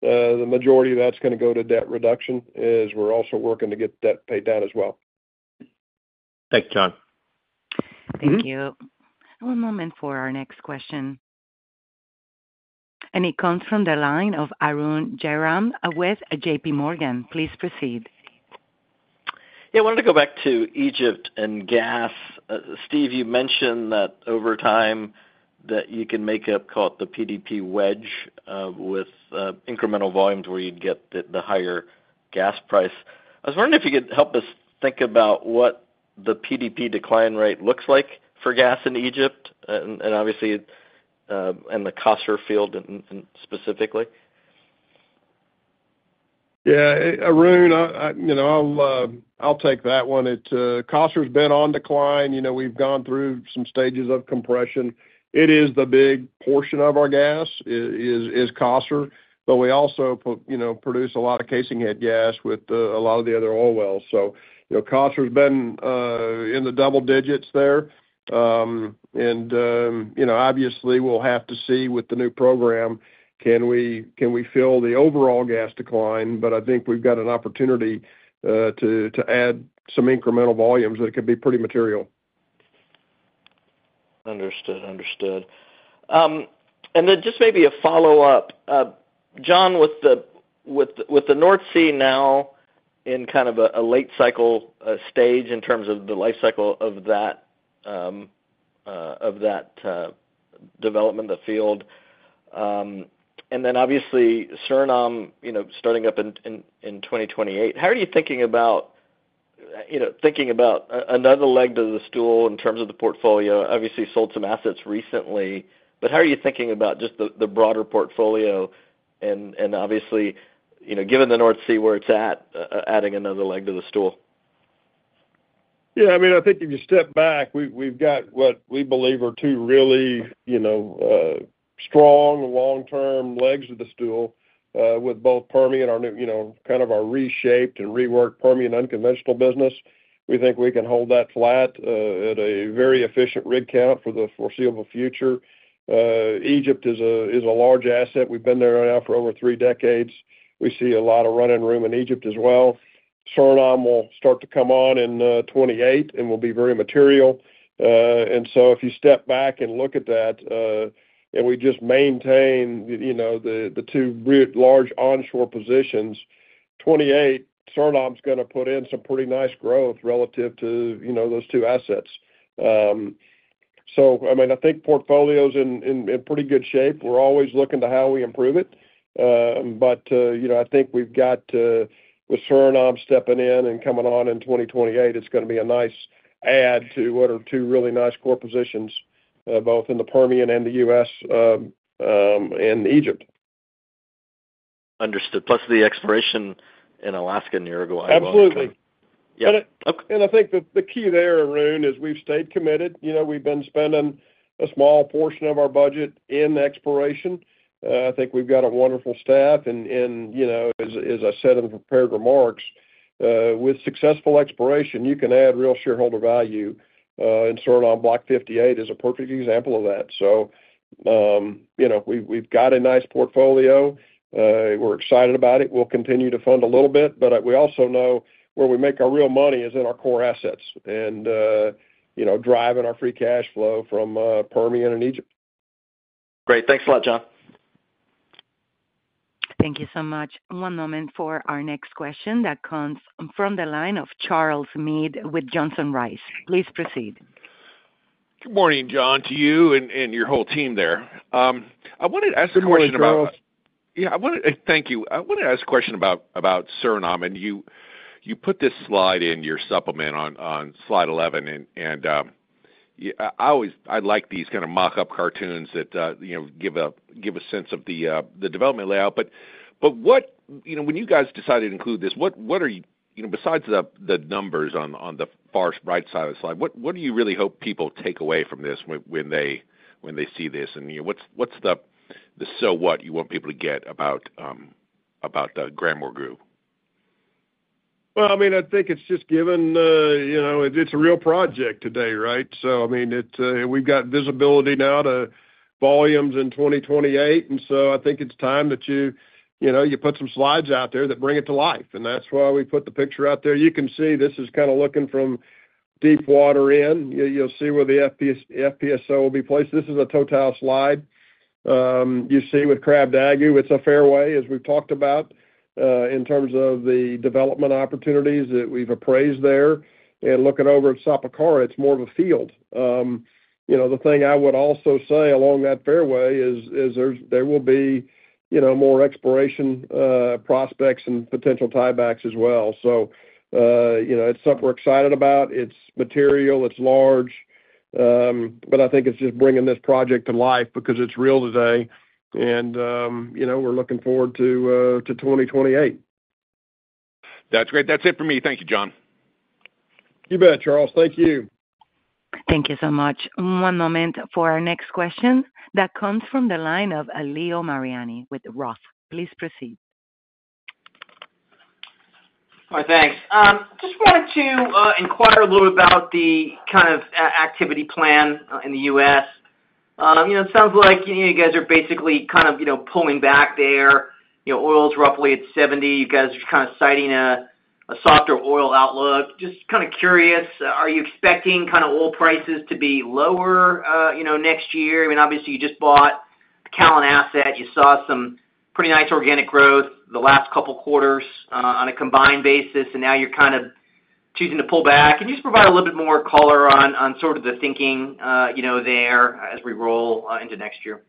The majority of that's going to go to debt reduction as we're also working to get debt paid down as well. Thank you, John. Thank you. One moment for our next question. And he comes from the line of Arun Jayaram with JPMorgan. Please proceed. Yeah. I wanted to go back to Egypt and gas. Steve, you mentioned that over time that you can make up, called the PDP wedge, with incremental volumes where you'd get the higher gas price. I was wondering if you could help us think about what the PDP decline rate looks like for gas in Egypt and the Qasr field specifically. Yeah. Arun, I'll take that one. Qasr's been on decline. We've gone through some stages of compression. It is the big portion of our gas is Qasr, but we also produce a lot of casinghead gas with a lot of the other oil wells. So Qasr's been in the double-digits there and obviously, we'll have to see with the new program, can we fill the overall gas decline? But I think we've got an opportunity to add some incremental volumes that could be pretty material. Understood. And then just maybe a follow-up, John, with the North Sea now in kind of a late cycle stage in terms of the life cycle of that development, the field. And then obviously, Suriname starting up in 2028. How are you thinking about another leg to the stool in terms of the portfolio? Obviously, sold some assets recently, but how are you thinking about just the broader portfolio? And obviously, given the North Sea where it's at, adding another leg to the stool? Yeah. I mean, I think if you step back, we've got what we believe are two really strong long-term legs of the stool with both Permian and kind of our reshaped and reworked Permian unconventional business. We think we can hold that flat at a very efficient rig count for the foreseeable future. Egypt is a large asset. We've been there now for over three decades. We see a lot of running room in Egypt as well. Suriname will start to come on in 2028 and will be very material. And so if you step back and look at that and we just maintain the two large onshore positions, 2028, Suriname's going to put in some pretty nice growth relative to those two assets. So I mean, I think portfolio's in pretty good shape. We're always looking to how we improve it. But I think we've got with Suriname stepping in and coming on in 2028, it's going to be a nice add to what are two really nice core positions, both in the Permian and the U.S. and Egypt. Understood, plus the exploration in Alaska and Uruguay. Absolutely. And I think the key there, Arun, is we've stayed committed. We've been spending a small portion of our budget in exploration. I think we've got a wonderful staff and as I said in the prepared remarks, with successful exploration, you can add real shareholder value. Suriname Block 58 is a perfect example of that. So we've got a nice portfolio. We're excited about it. We'll continue to fund a little bit, but we also know where we make our real money is in our core assets and driving our free cash flow from Permian and Egypt. Great. Thanks a lot, John. Thank you so much. One moment for our next question that comes from the line of Charles Meade with Johnson Rice. Please proceed. Good morning, John, to you and your whole team there. I wanted to ask a question about. Good morning, Charles. Yeah. Thank you. I wanted to ask a question about Suriname. And you put this slide in your supplement on Slide 11. And I like these kind of mock-up cartoons that give a sense of the development layout. But when you guys decided to include this, what, besides the numbers on the far right side of the slide, do you really hope people take away from this when they see this? And what's the so what you want people to get about the GranMorgu? I mean, I think it's just given it's a real project today, right? So I mean, we've got visibility now to volumes in 2028. And so I think it's time that you put some slides out there that bring it to life. And that's why we put the picture out there. You can see this is kind of looking from deep water in. You'll see where the FPSO will be placed. This is a Total slide. You see with Krabdagu, it's a fairway, as we've talked about, in terms of the development opportunities that we've appraised there. And looking over at Sapakara, it's more of a field. The thing I would also say along that fairway is there will be more exploration prospects and potential tiebacks as well. So it's something we're excited about. It's material. It's large. But I think it's just bringing this project to life because it's real today and we're looking forward to 2028. That's great. That's it for me. Thank you, John. You bet, Charles. Thank you. Thank you so much. One moment for our next question that comes from the line of Leo Mariani with Roth. Please proceed. Hi, thanks. Just wanted to inquire a little about the kind of activity plan in the U.S. It sounds like you guys are basically kind of pulling back there. Oil's roughly at $70. You guys are kind of citing a softer oil outlook. Just kind of curious, are you expecting kind of oil prices to be lower next year? I mean, obviously, you just bought the Callon asset. You saw some pretty nice organic growth the last couple of quarters on a combined basis, and now you're kind of choosing to pull back. Can you just provide a little bit more color on sort of the thinking there as we roll into next year?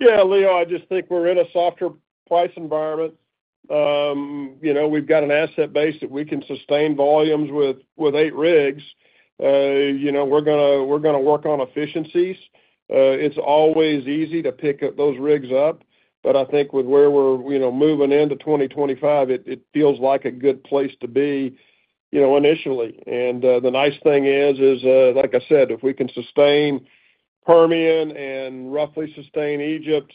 Yeah. Leo, I just think we're in a softer price environment. We've got an asset base that we can sustain volumes with eight rigs. We're going to work on efficiencies. It's always easy to pick those rigs up, but I think with where we're moving into 2025, it feels like a good place to be initially. And the nice thing is, like I said, if we can sustain Permian and roughly sustain Egypt,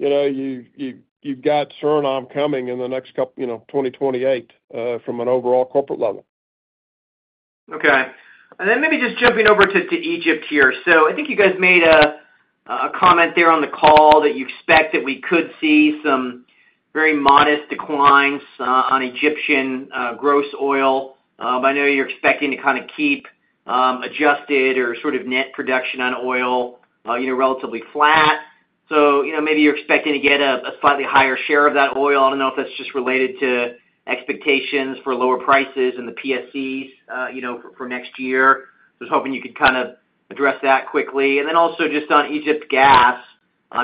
you've got Suriname coming in the next 2028 from an overall corporate level. Okay, and then maybe just jumping over to Egypt here, so I think you guys made a comment there on the call that you expect that we could see some very modest declines on Egyptian gross oil. I know you're expecting to kind of keep adjusted or sort of net production on oil relatively flat, so maybe you're expecting to get a slightly higher share of that oil. I don't know if that's just related to expectations for lower prices and the PSCs for next year. I was hoping you could kind of address that quickly, and then also just on Egypt gas,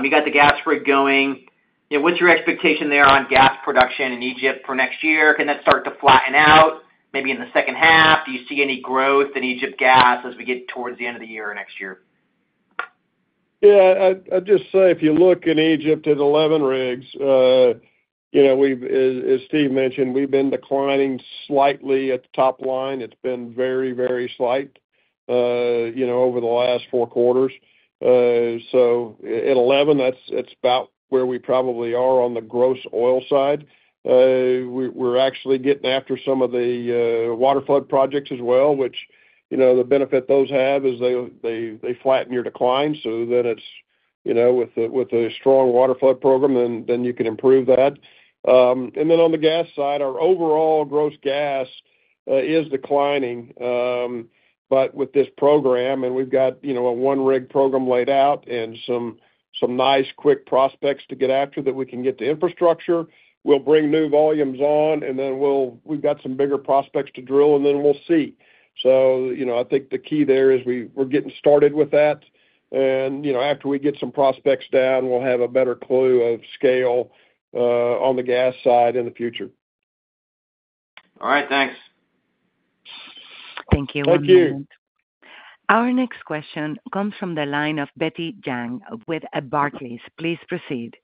you got the gas rig going. What's your expectation there on gas production in Egypt for next year? Can that start to flatten out maybe in the second half? Do you see any growth in Egypt gas as we get towards the end of the year or next year? Yeah. I'd just say if you look in Egypt at 11 rigs, as Steve mentioned, we've been declining slightly at the top line. It's been very, very slight over the last four quarters. So at 11, it's about where we probably are on the gross oil side. We're actually getting after some of the water flood projects as well, which the benefit those have is they flatten your decline. So then with a strong water flood program, then you can improve that. And then on the gas side, our overall gross gas is declining. But with this program, and we've got a one-rig program laid out and some nice quick prospects to get after that we can get the infrastructure, we'll bring new volumes on, and then we've got some bigger prospects to drill, and then we'll see. So I think the key there is we're getting started with that. After we get some prospects down, we'll have a better clue of scale on the gas side in the future. All right. Thanks. Thank you. Thank you. Our next question comes from the line of Betty Jiang with Barclays. Please proceed.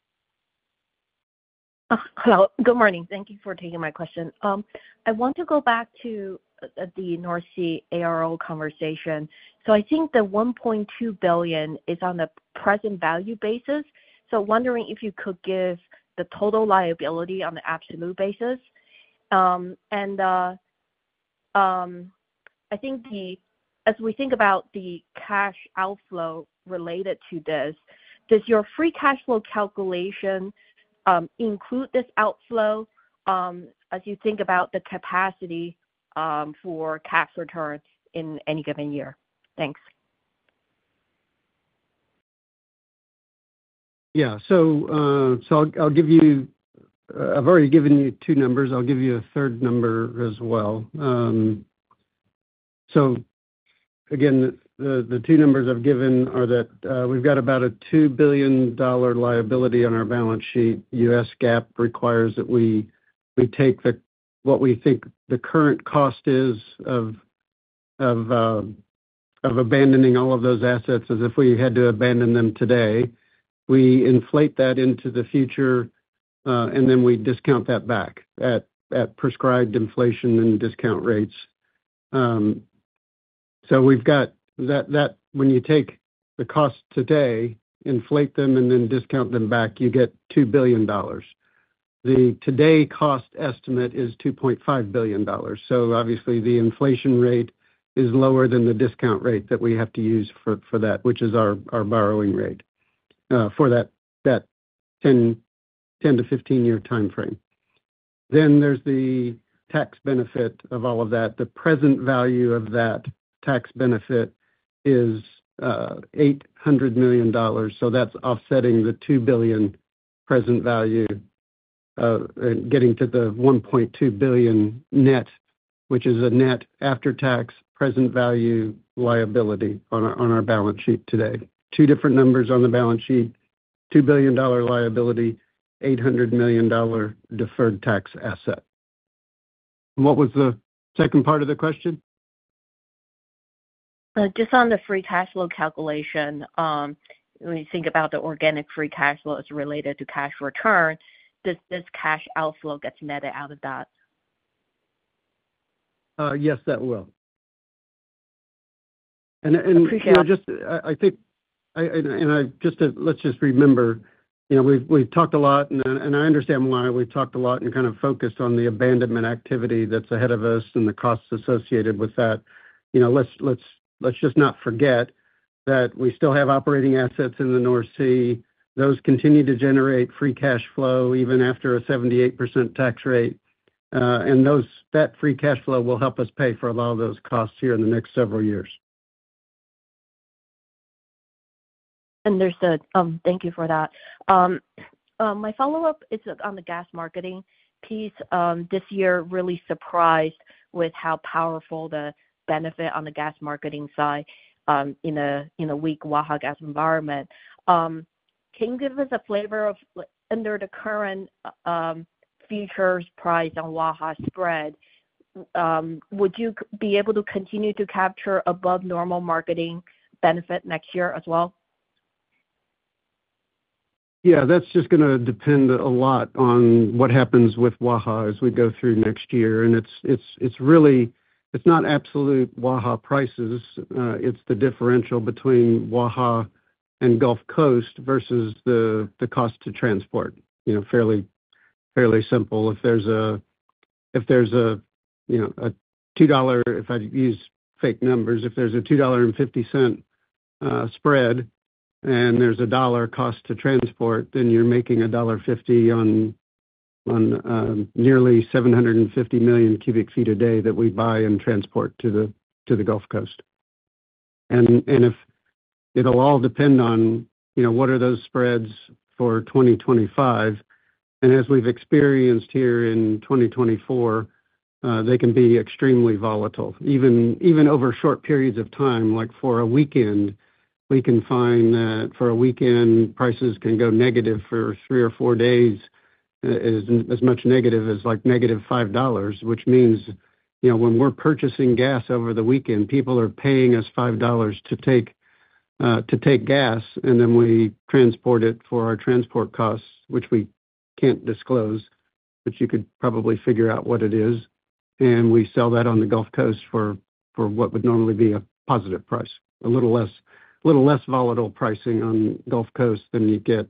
Hello. Good morning. Thank you for taking my question. I want to go back to the North Sea ARO conversation. So I think the $1.2 billion is on a present value basis. So wondering if you could give the total liability on the absolute basis. And I think as we think about the cash outflow related to this, does your free cash flow calculation include this outflow as you think about the capacity for cash returns in any given year? Thanks. Yeah. So I've already given you two numbers. I'll give you a third number as well. So again, the two numbers I've given are that we've got about a $2 billion liability on our balance sheet. U.S. GAAP requires that we take what we think the current cost is of abandoning all of those assets as if we had to abandon them today. We inflate that into the future, and then we discount that back at prescribed inflation and discount rates. So when you take the cost today, inflate them, and then discount them back, you get $2 billion. The today cost estimate is $2.5 billion. So obviously, the inflation rate is lower than the discount rate that we have to use for that, which is our borrowing rate for that 10-15-year timeframe. Then there's the tax benefit of all of that. The present value of that tax benefit is $800 million. So that's offsetting the $2 billion present value and getting to the $1.2 billion net, which is a net after-tax present value liability on our balance sheet today. Two different numbers on the balance sheet, $2 billion liability, $800 million deferred tax asset. What was the second part of the question? Just on the free cash flow calculation, when you think about the organic free cash flow that's related to cash return, does this cash outflow get netted out of that? Yes, that will. And I think. Appreciate it. Let's just remember, we've talked a lot, and I understand why we've talked a lot and kind of focused on the abandonment activity that's ahead of us and the costs associated with that. Let's just not forget that we still have operating assets in the North Sea. Those continue to generate free cash flow even after a 78% tax rate. And that free cash flow will help us pay for a lot of those costs here in the next several years. Thank you for that. My follow-up is on the gas marketing piece. This year, really surprised with how powerful the benefit on the gas marketing side in the weak Waha gas environment. Can you give us a flavor of, under the current futures price on Waha spread, would you be able to continue to capture above-normal marketing benefit next year as well? Yeah. That's just going to depend a lot on what happens with Waha as we go through next year. And it's not absolute Waha prices. It's the differential between Waha and Gulf Coast versus the cost to transport. Fairly simple. If there's a $2, if I use fake numbers, if there's a $2.50 spread and there's a $1 cost to transport, then you're making a $1.50 on nearly 750 million cu ft a day that we buy and transport to the Gulf Coast. And it'll all depend on what are those spreads for 2025. And as we've experienced here in 2024, they can be extremely volatile. Even over short periods of time, like for a weekend, we can find that for a weekend, prices can go negative for three or four days, as much negative as -$5, which means when we're purchasing gas over the weekend, people are paying us $5 to take gas, and then we transport it for our transport costs, which we can't disclose, but you could probably figure out what it is, and we sell that on the Gulf Coast for what would normally be a positive price, a little less volatile pricing on Gulf Coast than you get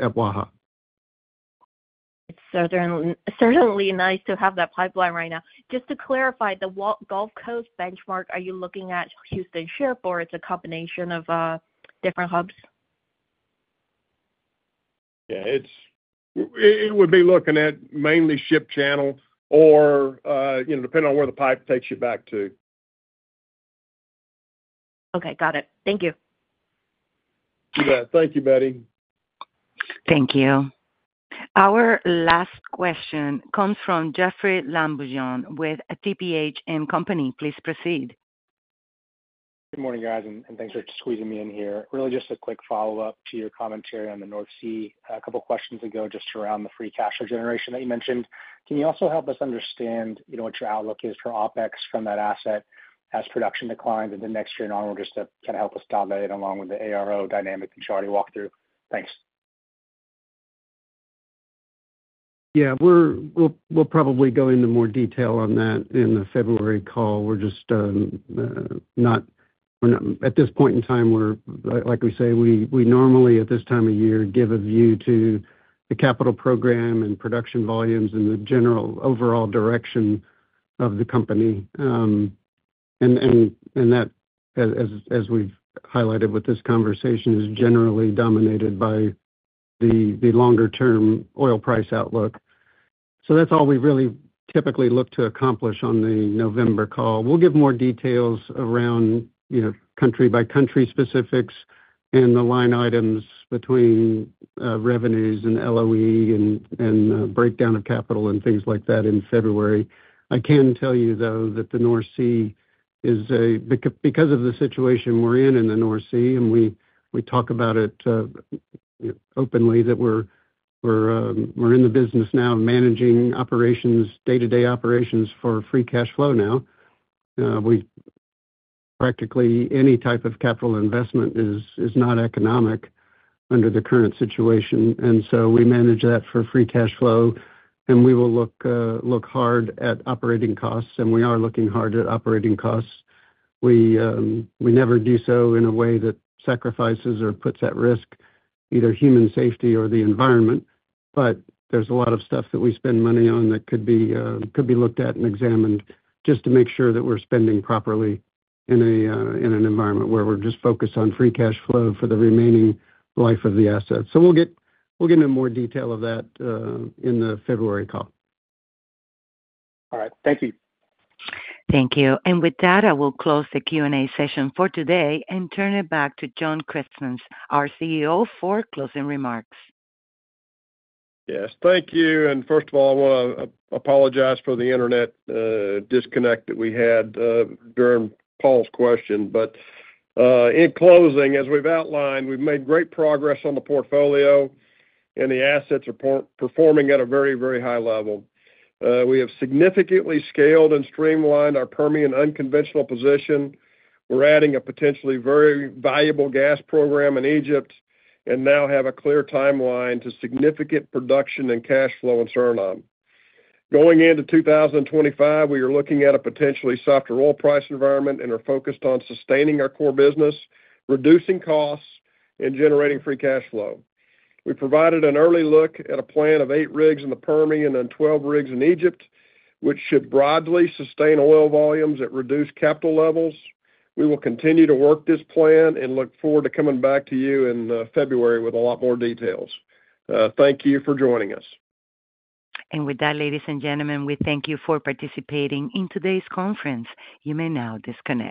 at Waha. Certainly nice to have that pipeline right now. Just to clarify, the Gulf Coast benchmark, are you looking at Houston Ship or it's a combination of different hubs? Yeah. It would be looking at mainly Ship Channel or depending on where the pipe takes you back to. Okay. Got it. Thank you. You bet. Thank you, Betty. Thank you. Our last question comes from Jeoffrey Lambujon with TPH & Co. Please proceed. Good morning, guys. And thanks for squeezing me in here. Really just a quick follow-up to your commentary on the North Sea. A couple of questions ago just around the free cash generation that you mentioned. Can you also help us understand what your outlook is for OpEx from that asset as production declines into next year and onward just to kind of help us tie that in along with the ARO dynamic that you already walked through? Thanks. Yeah. We'll probably go into more detail on that in the February call. We're just not at this point in time, like we say, we normally at this time of year give a view to the capital program and production volumes and the general overall direction of the company. And that, as we've highlighted with this conversation, is generally dominated by the longer-term oil price outlook. So that's all we really typically look to accomplish on the November call. We'll give more details around country-by-country specifics and the line items between revenues and LOE and breakdown of capital and things like that in February. I can tell you, though, that the North Sea is a because of the situation we're in in the North Sea, and we talk about it openly that we're in the business now managing operations, day-to-day operations for free cash flow now. Practically any type of capital investment is not economic under the current situation, and so we manage that for free cash flow, and we will look hard at operating costs, and we are looking hard at operating costs. We never do so in a way that sacrifices or puts at risk either human safety or the environment, but there's a lot of stuff that we spend money on that could be looked at and examined just to make sure that we're spending properly in an environment where we're just focused on free cash flow for the remaining life of the asset, so we'll get into more detail of that in the February call. All right. Thank you. Thank you. And with that, I will close the Q&A session for today and turn it back to John Christmann, our CEO, for closing remarks. Yes. Thank you. First of all, I want to apologize for the internet disconnect that we had during Paul's question. But in closing, as we've outlined, we've made great progress on the portfolio, and the assets are performing at a very, very high level. We have significantly scaled and streamlined our Permian unconventional position. We're adding a potentially very valuable gas program in Egypt and now have a clear timeline to significant production and cash flow in Suriname. Going into 2025, we are looking at a potentially softer oil price environment and are focused on sustaining our core business, reducing costs, and generating free cash flow. We provided an early look at a plan of eight rigs in the Permian and 12 rigs in Egypt, which should broadly sustain oil volumes at reduced capital levels. We will continue to work this plan and look forward to coming back to you in February with a lot more details. Thank you for joining us. With that, ladies and gentlemen, we thank you for participating in today's conference. You may now disconnect.